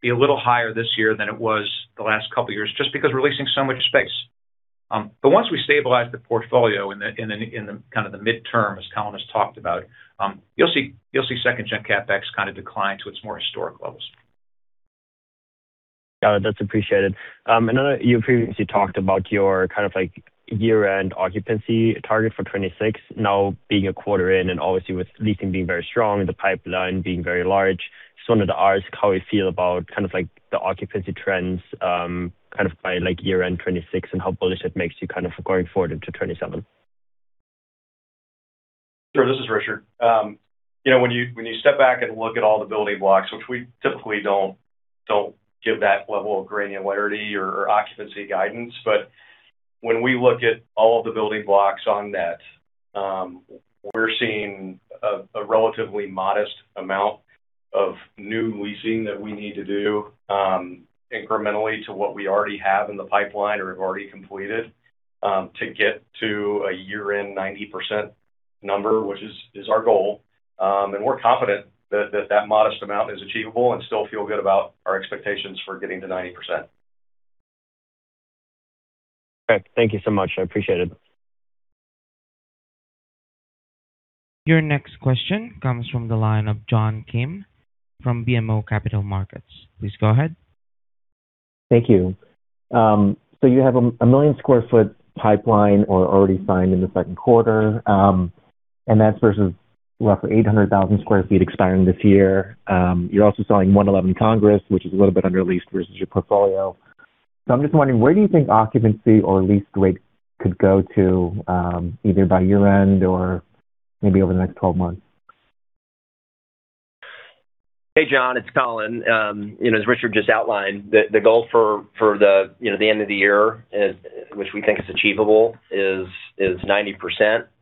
be a little higher this year than it was the last couple of years, just because we're leasing so much space. Once we stabilize the portfolio in the kind of the midterm, as Colin has talked about, you'll see second-gen CapEx kind of decline to its more historic levels. Got it. That's appreciated. I know you previously talked about your kind of like year-end occupancy target for 2026 now being a quarter in, and obviously with leasing being very strong, the pipeline being very large. Just wanted to ask how you feel about kind of like the occupancy trends, kind of by like year-end 2026 and how bullish it makes you kind of going forward into 2027. Sure. This is Richard. you know, when you step back and look at all the building blocks, which we typically don't give that level of granularity or occupancy guidance. When we look at all of the building blocks on net, we're seeing a relatively modest amount of new leasing that we need to do, incrementally to what we already have in the pipeline or have already completed, to get to a year-end 90% number, which is our goal. We're confident that modest amount is achievable and still feel good about our expectations for getting to 90%. Okay. Thank you so much. I appreciate it. Your next question comes from the line of John Kim from BMO Capital Markets. Please go ahead. Thank you. You have a 1 million sq ft pipeline or already signed in the second quarter, that's versus roughly 800,000 sq ft expiring this year. You're also selling 111 Congress, which is a little bit under leased versus your portfolio. I'm just wondering, where do you think occupancy or lease rates could go to, either by year-end or maybe over the next 12 months? Hey, John, it's Colin. You know, as Richard just outlined, the goal for the, you know, the end of the year, which we think is achievable, is 90%.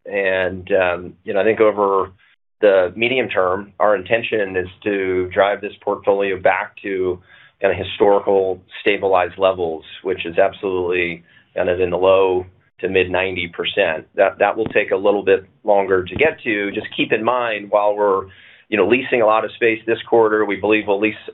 You know, I think over the medium term, our intention is to drive this portfolio back to kind of historical stabilized levels, which is absolutely, kind of in the low to mid 90%. That will take a little bit longer to get to. Just keep in mind, while we're, you know, leasing a lot of space this quarter, we believe we'll lease in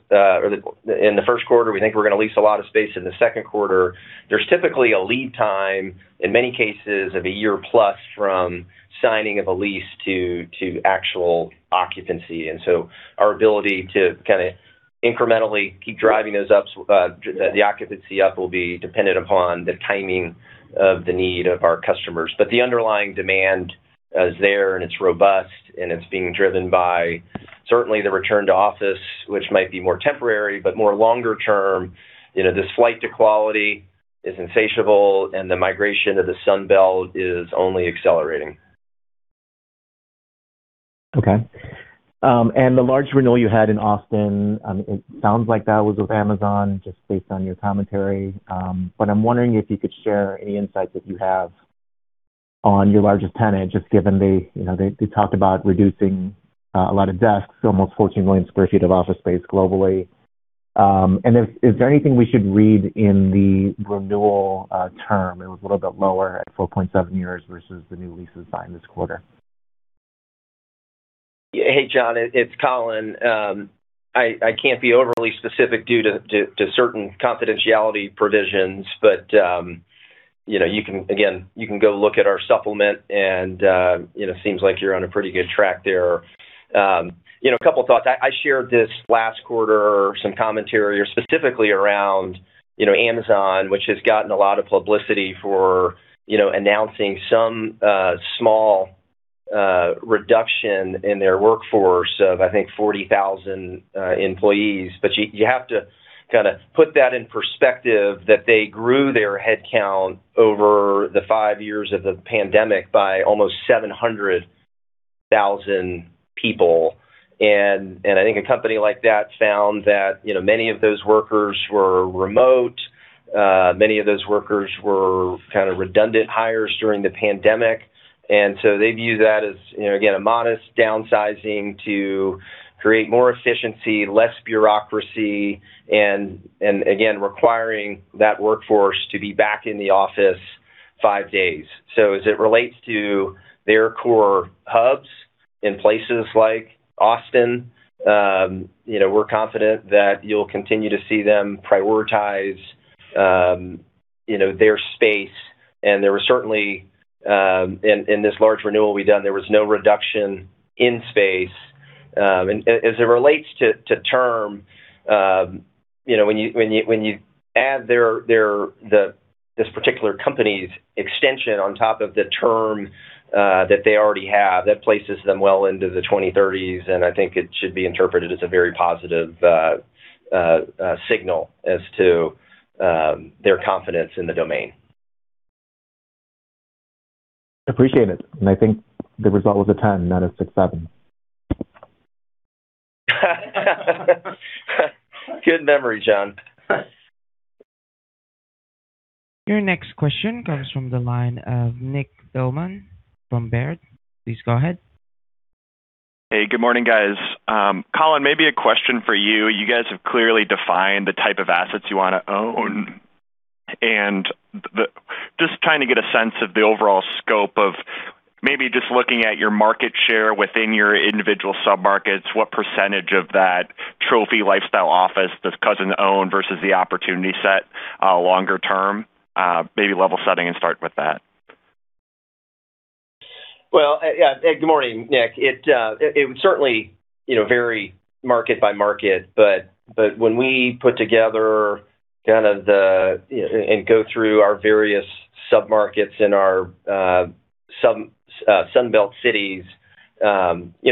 the 1st quarter, we think we're gonna lease a lot of space in the 2nd quarter. There's typically a lead time, in many cases of a 1 year plus, from signing of a lease to actual occupancy. Our ability to kind of incrementally keep driving those ups, the occupancy up, will be dependent upon the timing of the need of our customers. The underlying demand is there, and it's robust, and it's being driven by certainly the return to office, which might be more temporary, but more longer term. You know, the flight to quality is insatiable. The migration to the Sun Belt is only accelerating. Okay. The large renewal you had in Austin, it sounds like that was with Amazon, just based on your commentary. I'm wondering if you could share any insights that you have on your largest tenant, just given they, you know, they talked about reducing a lot of desks, almost 14 million square feet of office space globally. Is there anything we should read in the renewal term? It was a little bit lower at 4.7 years versus the new leases signed this quarter. Hey, John, it's Colin. I can't be overly specific due to certain confidentiality provisions. You know, you can, again, you can go look at our supplement and, you know, seems like you're on a pretty good track there. You know, a couple of thoughts. I shared this last quarter, some commentary specifically around, you know, Amazon, which has gotten a lot of publicity for, you know, announcing some small reduction in their workforce of, I think, 40,000 employees. You have to kind of put that in perspective that they grew their headcount over the five years of the pandemic by almost 700,000 people. I think a company like that found that, you know, many of those workers were remote. Many of those workers were kind of redundant hires during the pandemic. They view that as, you know, again, a modest downsizing to create more efficiency, less bureaucracy, and again, requiring that workforce to be back in the office five days. As it relates to their core hubs in places like Austin, you know, we're confident that you'll continue to see them prioritize, you know, their space. There was certainly, in this large renewal we've done, there was no reduction in space. As it relates to term, you know, when you add this particular company's extension on top of the term that they already have, that places them well into the 2030s. I think it should be interpreted as a very positive signal as to their confidence in The Domain. Appreciate it. I think the result was a 10, not a 67. Good memory, John. Your next question comes from the line of Nick Thillman from Baird. Please go ahead. Hey, good morning, guys. Colin, maybe a question for you. You guys have clearly defined the type of assets you wanna own. Just trying to get a sense of the overall scope of maybe just looking at your market share within your individual sub-markets, what percentage of that trophy lifestyle office does Cousins own versus the opportunity set, longer term? Maybe level setting and start with that. Well, yeah. Good morning, Nick. It would certainly, you know, vary market by market. When we put together kind of the, you know, and go through our various sub-markets in our Sun Belt cities, you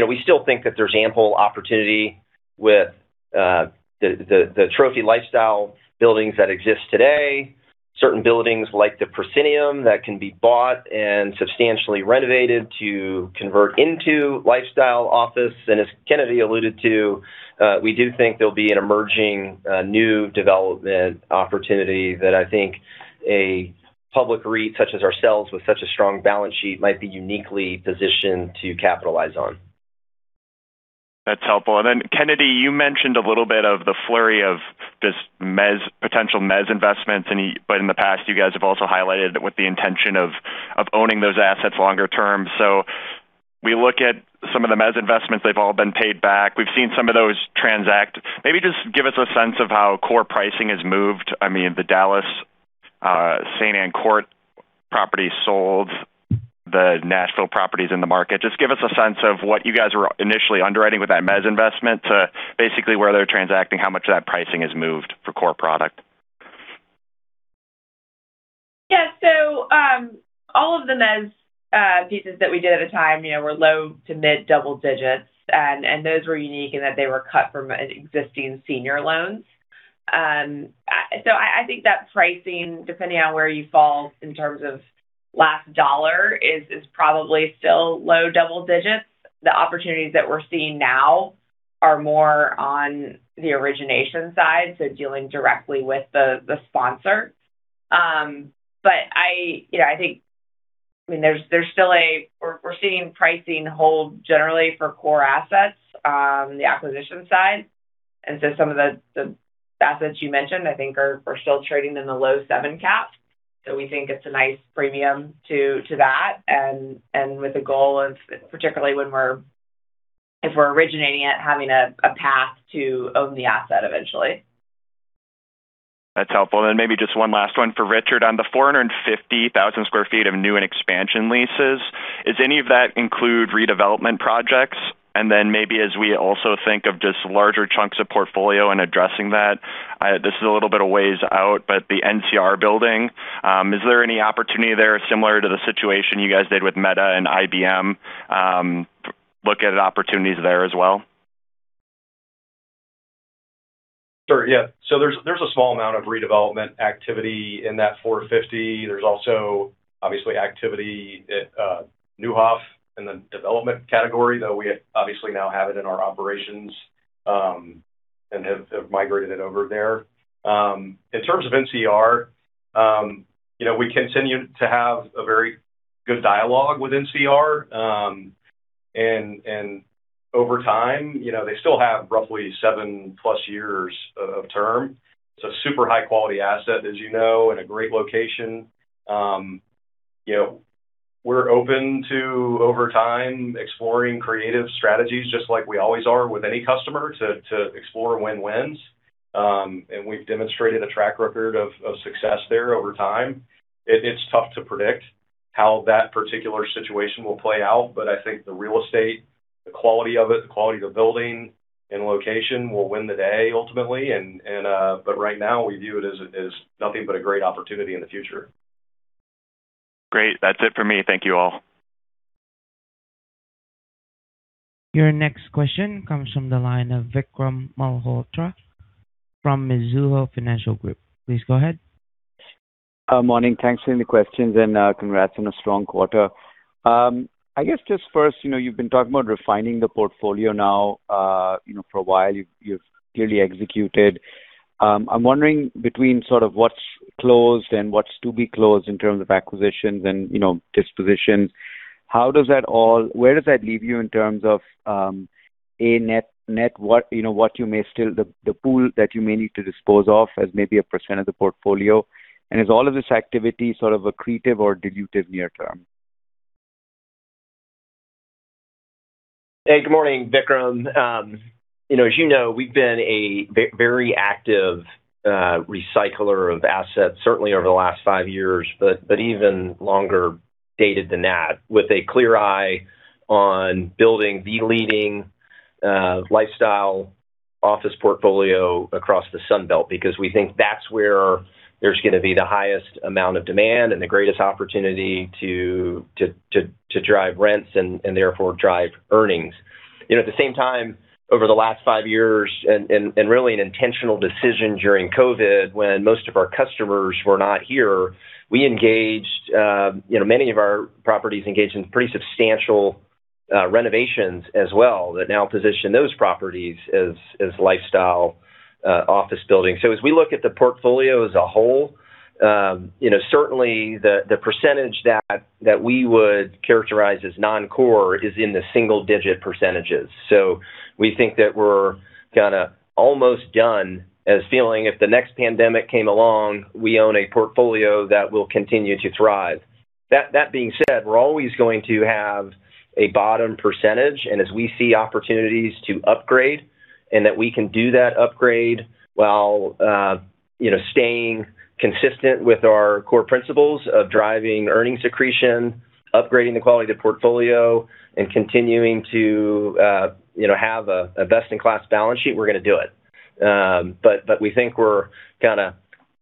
know, we still think that there's ample opportunity with the trophy lifestyle buildings that exist today. Certain buildings like the Proscenium that can be bought and substantially renovated to convert into lifestyle office. As Kennedy alluded to, we do think there'll be an emerging new development opportunity that I think a public REIT such as ourselves with such a strong balance sheet might be uniquely positioned to capitalize on. That's helpful. Kennedy, you mentioned a little bit of the flurry of just mezz potential mezz investments but in the past, you guys have also highlighted with the intention of owning those assets longer term. We look at some of the mezz investments, they've all been paid back. We've seen some of those transact. Maybe just give us a sense of how core pricing has moved. I mean, the Dallas Saint Ann Court property sold, the Nashville property is in the market. Just give us a sense of what you guys were initially underwriting with that mezz investment to basically where they're transacting, how much of that pricing has moved for core product. Yeah. All of the mezz pieces that we did at the time, you know, were low to mid double digits. Those were unique in that they were cut from an existing senior loans. I think that pricing, depending on where you fall in terms of last dollar, is probably still low double digits. The opportunities that we're seeing now are more on the origination side, so dealing directly with the sponsor. I, you know, I mean We're seeing pricing hold generally for core assets, the acquisition side. Some of the assets you mentioned, I think we're still trading in the low 7 caps. We think it's a nice premium to that. With the goal of, if we're originating it, having a path to own the asset eventually. That's helpful. Maybe just one last one for Richard. On the 450,000 sq ft of new and expansion leases, is any of that include redevelopment projects? Maybe as we also think of just larger chunks of portfolio and addressing that, this is a little bit of ways out, but the NCR building, is there any opportunity there similar to the situation you guys did with Meta and IBM, look at opportunities there as well? Sure, yeah. There's a small amount of redevelopment activity in that 450. There's also obviously activity at Neuhoff in the development category, though we obviously now have it in our operations, and have migrated it over there. In terms of NCR, you know, we continue to have a very good dialogue with NCR. Over time, you know, they still have roughly 7+ years of term. It's a super high quality asset, as you know, and a great location. You know, we're open to, over time, exploring creative strategies just like we always are with any customer to explore win-wins. We've demonstrated a track record of success there over time. It's tough to predict how that particular situation will play out, but I think the real estate, the quality of it, the quality of the building and location will win the day ultimately. Right now we view it as nothing but a great opportunity in the future. Great. That's it for me. Thank you all. Your next question comes from the line of Vikram Malhotra from Mizuho Financial Group. Please go ahead. Morning. Thanks for the questions, and congrats on a strong quarter. I guess just first, you know, you've been talking about refining the portfolio now, you know, for a while. You've clearly executed. I'm wondering between sort of what's closed and what's to be closed in terms of acquisitions and, you know, dispositions, where does that leave you in terms of a net, what, you know, the pool that you may need to dispose of as maybe a % of the portfolio? Is all of this activity sort of accretive or dilutive near term? Hey, good morning, Vikram. You know, as you know, we've been a very active recycler of assets certainly over the last 5 years, but even longer dated than that, with a clear eye on building the leading lifestyle office portfolio across the Sun Belt, because we think that's where there's gonna be the highest amount of demand and the greatest opportunity to drive rents and therefore drive earnings. You know, at the same time, over the last 5 years and really an intentional decision during COVID when most of our customers were not here, we engaged, you know, many of our properties engaged in pretty substantial renovations as well that now position those properties as lifestyle office buildings. As we look at the portfolio as a whole, you know, certainly the percentage that we would characterize as non-core is in the single-digit percentages. We think that we're kind of almost done as feeling if the next pandemic came along, we own a portfolio that will continue to thrive. That being said, we're always going to have a bottom percentage. As we see opportunities to upgrade and that we can do that upgrade while, you know, staying consistent with our core principles of driving earnings accretion, upgrading the quality of the portfolio and continuing to, you know, have a best-in-class balance sheet, we're gonna do it. But we think we're kind of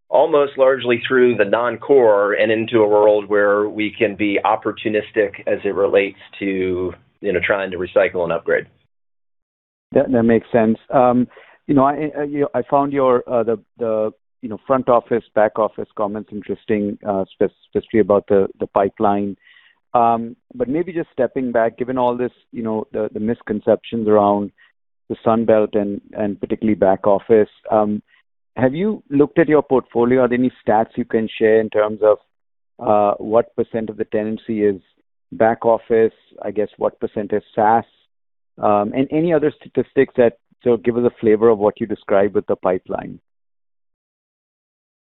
almost largely through the non-core and into a world where we can be opportunistic as it relates to, you know, trying to recycle and upgrade. That makes sense. You know, I found your, you know, front office, back office comments interesting, especially about the pipeline. Maybe just stepping back, given all this, you know, misconceptions around the Sun Belt and particularly back office. Have you looked at your portfolio? Are there any stats you can share in terms of what % of the tenancy is back office? I guess, what % is SaaS? Any other statistics that sort of give us a flavor of what you described with the pipeline.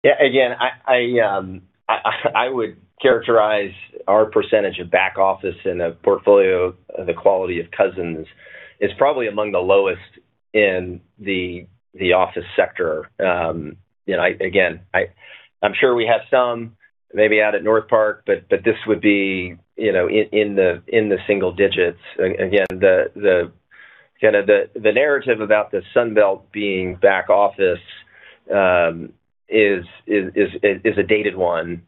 Yeah. Again, I would characterize our percentage of back office in a portfolio of the quality of Cousins is probably among the lowest in the office sector. You know, again, I'm sure we have some maybe out at Northpark, but this would be, you know, in the single digits. Again, the, you know, the narrative about the Sun Belt being back office is a dated one.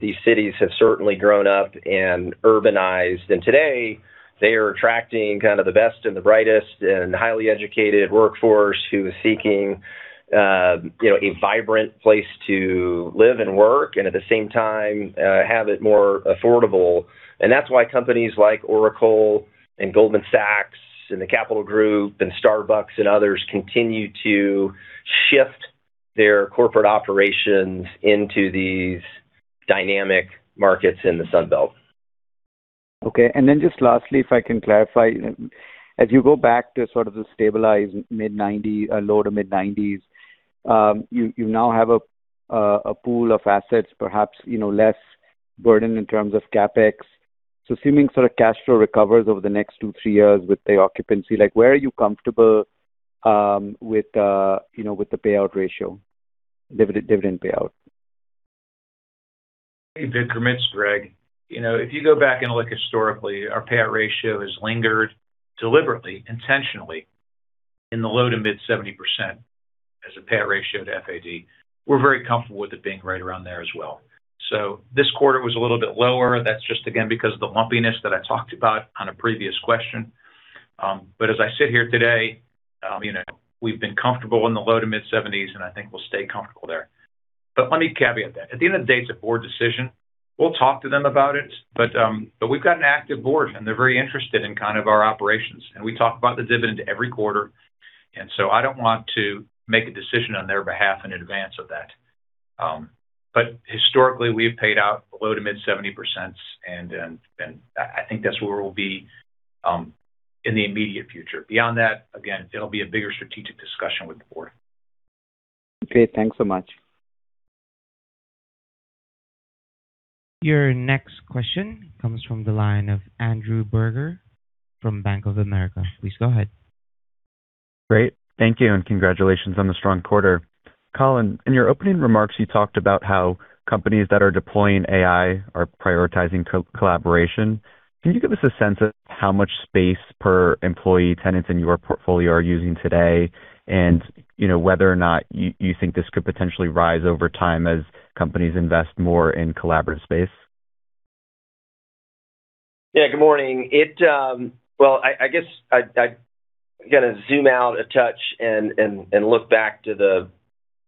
These cities have certainly grown up and urbanized. Today they are attracting kind of the best and the brightest and highly educated workforce who are seeking, you know, a vibrant place to live and work and at the same time, have it more affordable. That's why companies like Oracle and Goldman Sachs and The Capital Group and Starbucks and others continue to shift their corporate operations into these dynamic markets in the Sun Belt. Okay. Just lastly, if I can clarify. As you go back to sort of the stabilized mid-90, low to mid-90s, you now have a pool of assets perhaps, you know, less burden in terms of CapEx. Assuming sort of cash flow recovers over the next two, three years with the occupancy, like, where are you comfortable with, you know, with the payout ratio, dividend payout? Vikram, it's Gregg. You know, if you go back and look historically, our payout ratio has lingered deliberately, intentionally in the low to mid 70% as a payout ratio to FAD. We're very comfortable with it being right around there as well. This quarter was a little bit lower. That's just again, because of the lumpiness that I talked about on a previous question. As I sit here today, you know, we've been comfortable in the low to mid seventies, I think we'll stay comfortable there. Let me caveat that. At the end of the day, it's a board decision. We'll talk to them about it, we've got an active board, they're very interested in kind of our operations, we talk about the dividend every quarter. I don't want to make a decision on their behalf in advance of that. But historically, we have paid out low to mid 70%, and I think that's where we'll be in the immediate future. Beyond that, again, it'll be a bigger strategic discussion with the board. Okay, thanks so much. Your next question comes from the line of Andrew Burger from Bank of America. Please go ahead. Great. Thank you, and congratulations on the strong quarter. Colin, in your opening remarks, you talked about how companies that are deploying AI are prioritizing co-collaboration. Can you give us a sense of how much space per employee tenants in your portfolio are using today? You know, whether or not you think this could potentially rise over time as companies invest more in collaborative space. Good morning. Well, I guess I got to zoom out a touch and look back to the,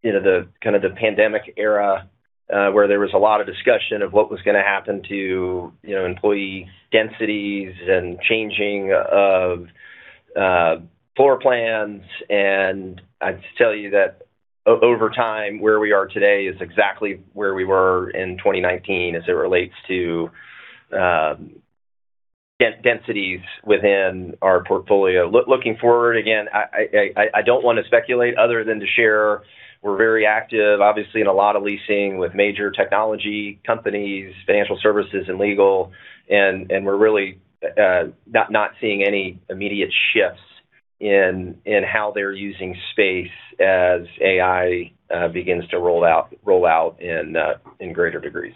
you know, the kind of the pandemic era, where there was a lot of discussion of what was going to happen to, you know, employee densities and changing of floor plans. I'd tell you that over time, where we are today is exactly where we were in 2019 as it relates to densities within our portfolio. Looking forward, again, I don't wanna speculate other than to share we're very active, obviously, in a lot of leasing with major technology companies, financial services, and legal, and we're really not seeing any immediate shifts in how they're using space as AI begins to roll out in greater degrees.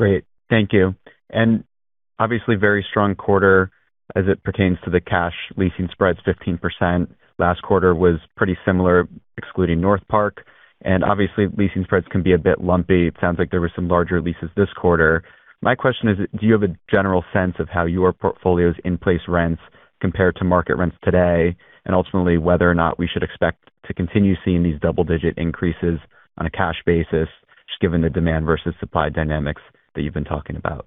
Great. Thank you. Obviously, very strong quarter as it pertains to the cash leasing spreads 15%. Last quarter was pretty similar, excluding Northpark. Obviously, leasing spreads can be a bit lumpy. It sounds like there were some larger leases this quarter. My question is, do you have a general sense of how your portfolio's in-place rents compare to market rents today? Ultimately, whether or not we should expect to continue seeing these double-digit increases on a cash basis, just given the demand versus supply dynamics that you've been talking about.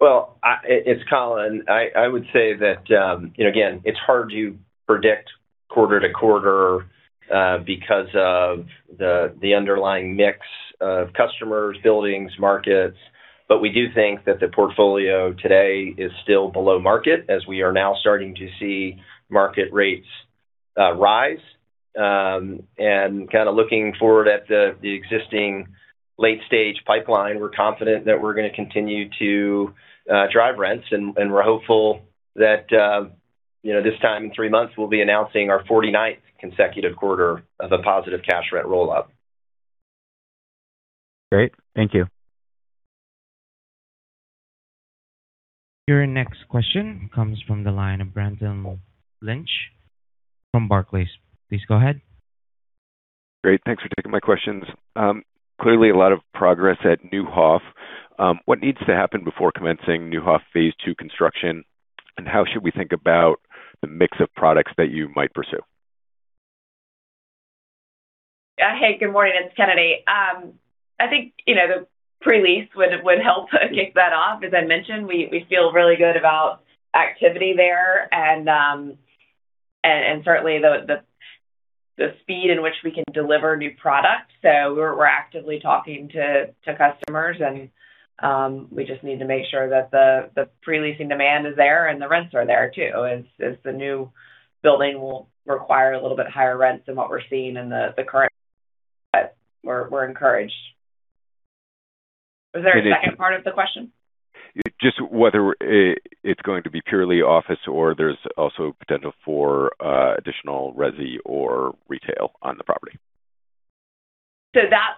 Well, it's Colin. I would say that, you know, again, it's hard to predict quarter to quarter because of the underlying mix of customers, buildings, markets. We do think that the portfolio today is still below market, as we are now starting to see market rates rise. Looking forward at the existing late-stage pipeline, we're confident that we're gonna continue to drive rents. We're hopeful that, you know, this time in three months, we'll be announcing our 49th consecutive quarter of a positive cash rent rollout. Great. Thank you. Your next question comes from the line of Brendan Lynch from Barclays. Please go ahead. Great. Thanks for taking my questions. Clearly a lot of progress at Neuhoff. What needs to happen before commencing Neuhoff phase two construction? How should we think about the mix of products that you might pursue? Hey, good morning, it's Kennedy. I think, you know, the pre-lease would help kick that off. As I mentioned, we feel really good about activity there and certainly the speed in which we can deliver new product. We're actively talking to customers and we just need to make sure that the pre-leasing demand is there and the rents are there too. As the new building will require a little bit higher rents than what we're seeing in the current. We're encouraged. Was there a second part of the question? Just whether it's going to be purely office or there's also potential for additional resi or retail on the property. That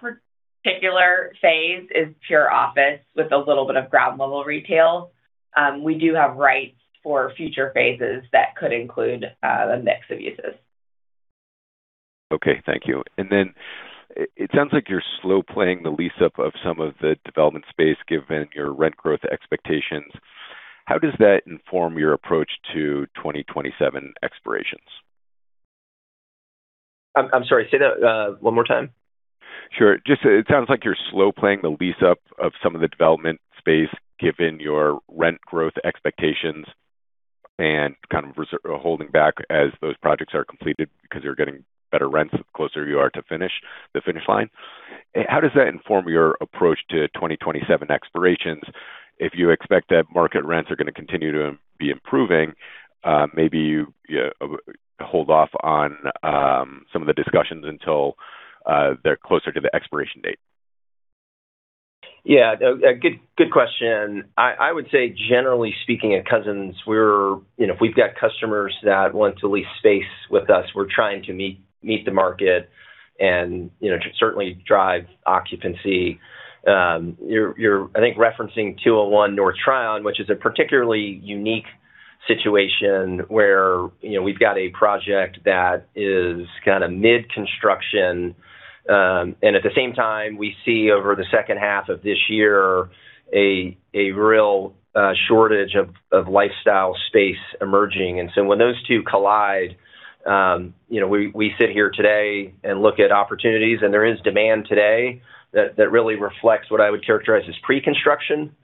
particular phase is pure office with a little bit of ground level retail. We do have rights for future phases that could include a mix of uses. Okay. Thank you. Then it sounds like you're slow playing the lease up of some of the development space given your rent growth expectations. How does that inform your approach to 2027 expirations? I'm sorry, say that one more time. Sure. Just it sounds like you're slow playing the lease up of some of the development space given your rent growth expectations and kind of holding back as those projects are completed because you're getting better rents the closer you are to finish, the finish line. How does that inform your approach to 2027 expirations? If you expect that market rents are gonna continue to be improving, maybe you hold off on some of the discussions until they're closer to the expiration date. Yeah, a good question. I would say generally speaking at Cousins, we're, you know, if we've got customers that want to lease space with us, we're trying to meet the market and, you know, to certainly drive occupancy. You're I think referencing 201 North Tryon, which is a particularly unique situation where, you know, we've got a project that is kind of mid-construction. At the same time, we see over the second half of this year a real shortage of lifestyle space emerging. When those two collide, you know, we sit here today and look at opportunities and there is demand today that really reflects what I would characterize as pre-construction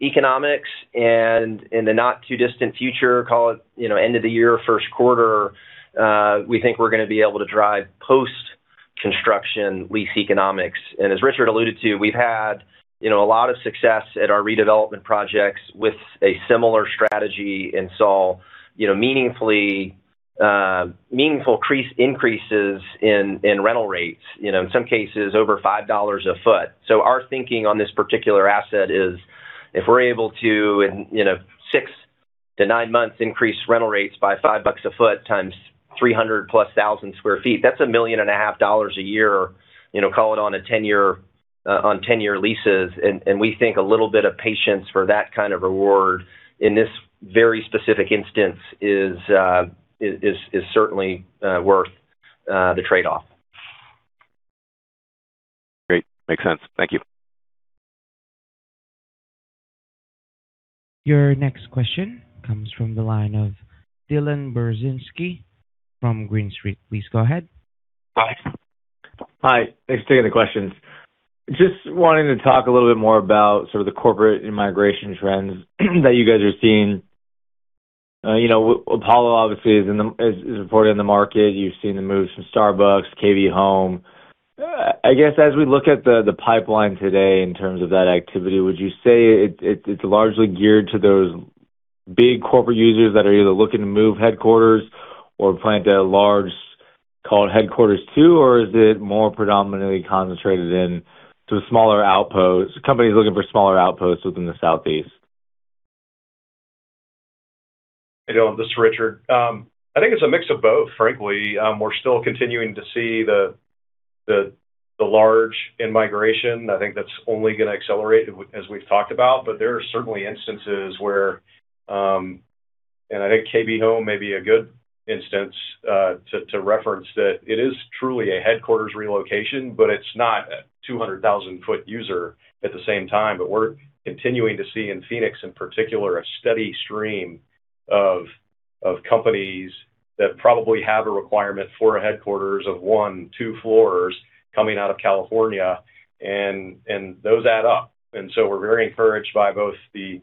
economics. In the not too distant future, call it, you know, end of the year, first quarter, we think we're gonna be able to drive post-construction lease economics. As Richard alluded to, we've had, you know, a lot of success at our redevelopment projects with a similar strategy and saw, you know, meaningfully, meaningful increases in rental rates, you know, in some cases over $5 a foot. Our thinking on this particular asset is if we're able to, in a six to nine months, increase rental rates by $5 a foot times 300+ thousand sq ft, that's $1.5 million a year, you know, call it on a 10-year, on 10-year leases. We think a little bit of patience for that kind of reward in this very specific instance is certainly worth the trade-off. Great. Makes sense. Thank you. Your next question comes from the line of Dylan Burzinski from Green Street. Please go ahead. Hi. Thanks for taking the questions. Just wanting to talk a little bit more about sort of the corporate immigration trends that you guys are seeing. you know, Apollo obviously is reported in the market. You've seen the moves from Starbucks, KB Home. I guess as we look at the pipeline today in terms of that activity, would you say it's largely geared to those big corporate users that are either looking to move headquarters or plan to large call it headquarters too, or is it more predominantly concentrated into smaller outposts, companies looking for smaller outposts within the Southeast? You know, this is Richard. I think it's a mix of both, frankly. We're still continuing to see the large in-migration. I think that's only gonna accelerate as we've talked about. There are certainly instances where, and I think KB Home may be a good instance to reference that it is truly a headquarters relocation, but it's not a 200,000 foot user at the same time. We're continuing to see in Phoenix, in particular, a steady stream of companies that probably have a requirement for a headquarters of 1, 2 floors coming out of California, and those add up. We're very encouraged by both the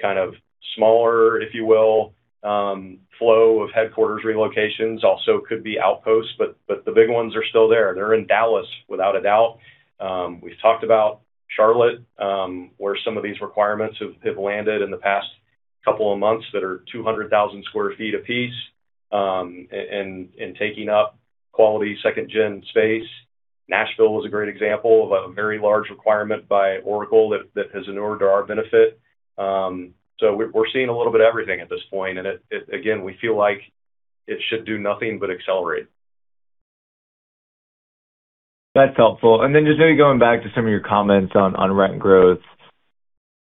kind of smaller, if you will, flow of headquarters relocations. Also could be outposts, but the big ones are still there. They're in Dallas, without a doubt. We've talked about Charlotte, where some of these requirements have landed in the past couple of months that are 200,000 sq ft apiece, and taking up quality second-gen space. Nashville was a great example of a very large requirement by Oracle that has endured to our benefit. We're seeing a little bit of everything at this point. It again, we feel like it should do nothing but accelerate. That's helpful. Just maybe going back to some of your comments on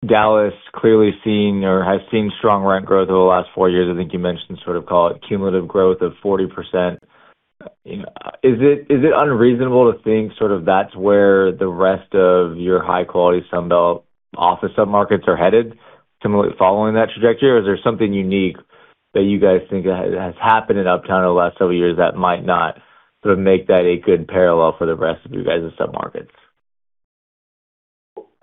rent growth. Dallas clearly seeing or has seen strong rent growth over the last 4 years. I think you mentioned sort of call it cumulative growth of 40%. You know, is it unreasonable to think sort of that's where the rest of your high-quality Sun Belt office submarkets are headed similarly following that trajectory? Is there something unique hat you guys think that has happened in Uptown over the last several years that might not sort of make that a good parallel for the rest of you guys' submarkets?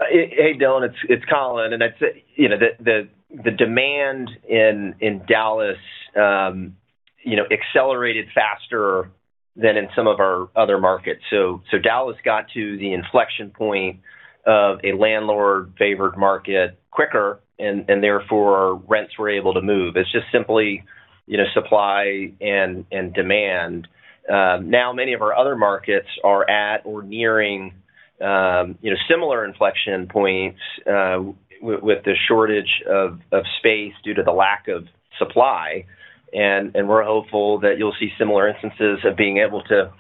Hey, Dylan, it's Colin. I'd say, you know, the demand in Dallas, you know, accelerated faster than in some of our other markets. Dallas got to the inflection point of a landlord-favored market quicker and, therefore, rents were able to move. It's just simply, you know, supply and demand. Now many of our other markets are at or nearing, you know, similar inflection points, with the shortage of space due to the lack of supply. We're hopeful that you'll see similar instances of being able to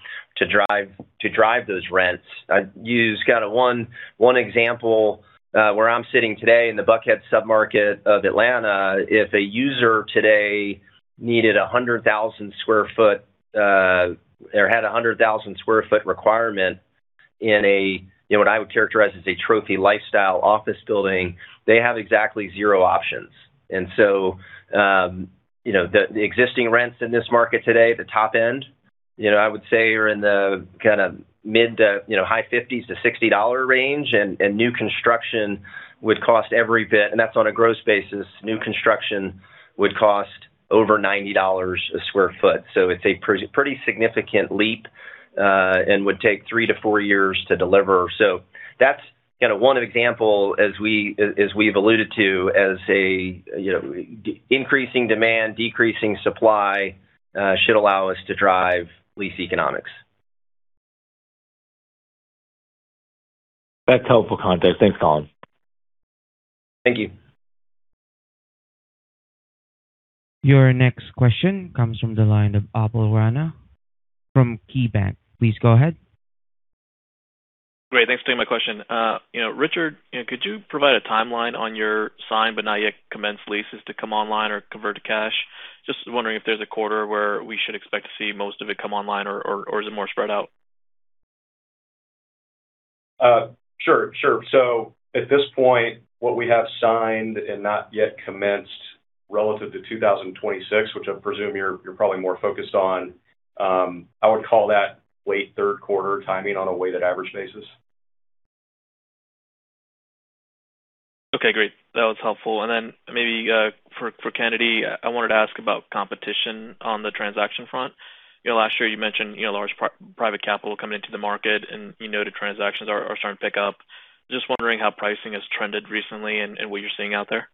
drive those rents. I'd use kinda one example, where I'm sitting today in the Buckhead submarket of Atlanta. If a user today needed 100,000 sq ft, or had a 100 sq ft requirement in a, you know, what I would characterize as a trophy lifestyle office building, they have exactly zero options. You know, the existing rents in this market today, the top end, you know, I would say are in the mid to, you know, high $50s to $60 range. New construction would cost every bit, and that's on a gross basis, new construction would cost over $90 a sq ft. It's a pretty significant leap, and would take three to four years to deliver. That's one example as we've alluded to as a, you know, increasing demand, decreasing supply, should allow us to drive lease economics. That's helpful context. Thanks, Colin. Thank you. Your next question comes from the line of Upal Rana from KeyBanc. Please go ahead. Great. Thanks for taking my question. You know, Richard, you know, could you provide a timeline on your signed but not yet commenced leases to come online or convert to cash? Just wondering if there's a quarter where we should expect to see most of it come online or is it more spread out? Sure. At this point, what we have signed and not yet commenced relative to 2026, which I presume you're probably more focused on, I would call that late third quarter timing on a weighted average basis. Okay, great. That was helpful. Then maybe for Kennedy, I wanted to ask about competition on the transaction front. You know, last year you mentioned, you know, large private capital coming into the market and you noted transactions are starting to pick up. Just wondering how pricing has trended recently and what you're seeing out there.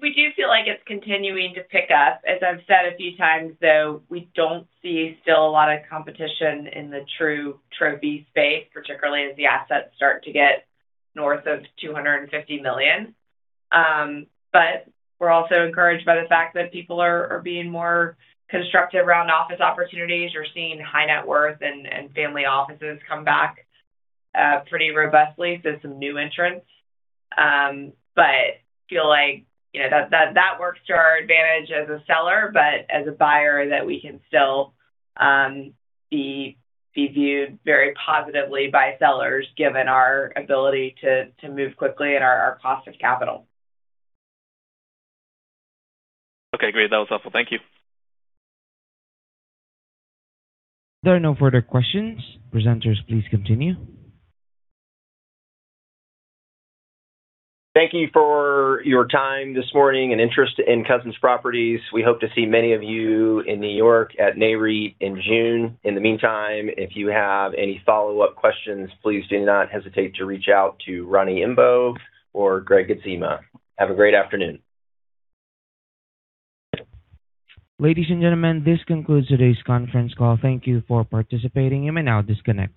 Yeah. We do feel like it's continuing to pick up. As I've said a few times though, we don't see still a lot of competition in the true trophy space, particularly as the assets start to get north of $250 million. We're also encouraged by the fact that people are being more constructive around office opportunities. We're seeing high net worth and family offices come back pretty robustly, some new entrants. Feel like, you know, that works to our advantage as a seller, but as a buyer that we can still be viewed very positively by sellers given our ability to move quickly and our cost of capital. Okay, great. That was helpful. Thank you. There are no further questions. Presenters, please continue. Thank you for your time this morning and interest in Cousins Properties. We hope to see many of you in New York at Nareit in June. In the meantime, if you have any follow-up questions, please do not hesitate to reach out to Roni Imbeaux or Gregg Adzema. Have a great afternoon. Ladies and gentlemen, this concludes today's conference call. Thank you for participating. You may now disconnect.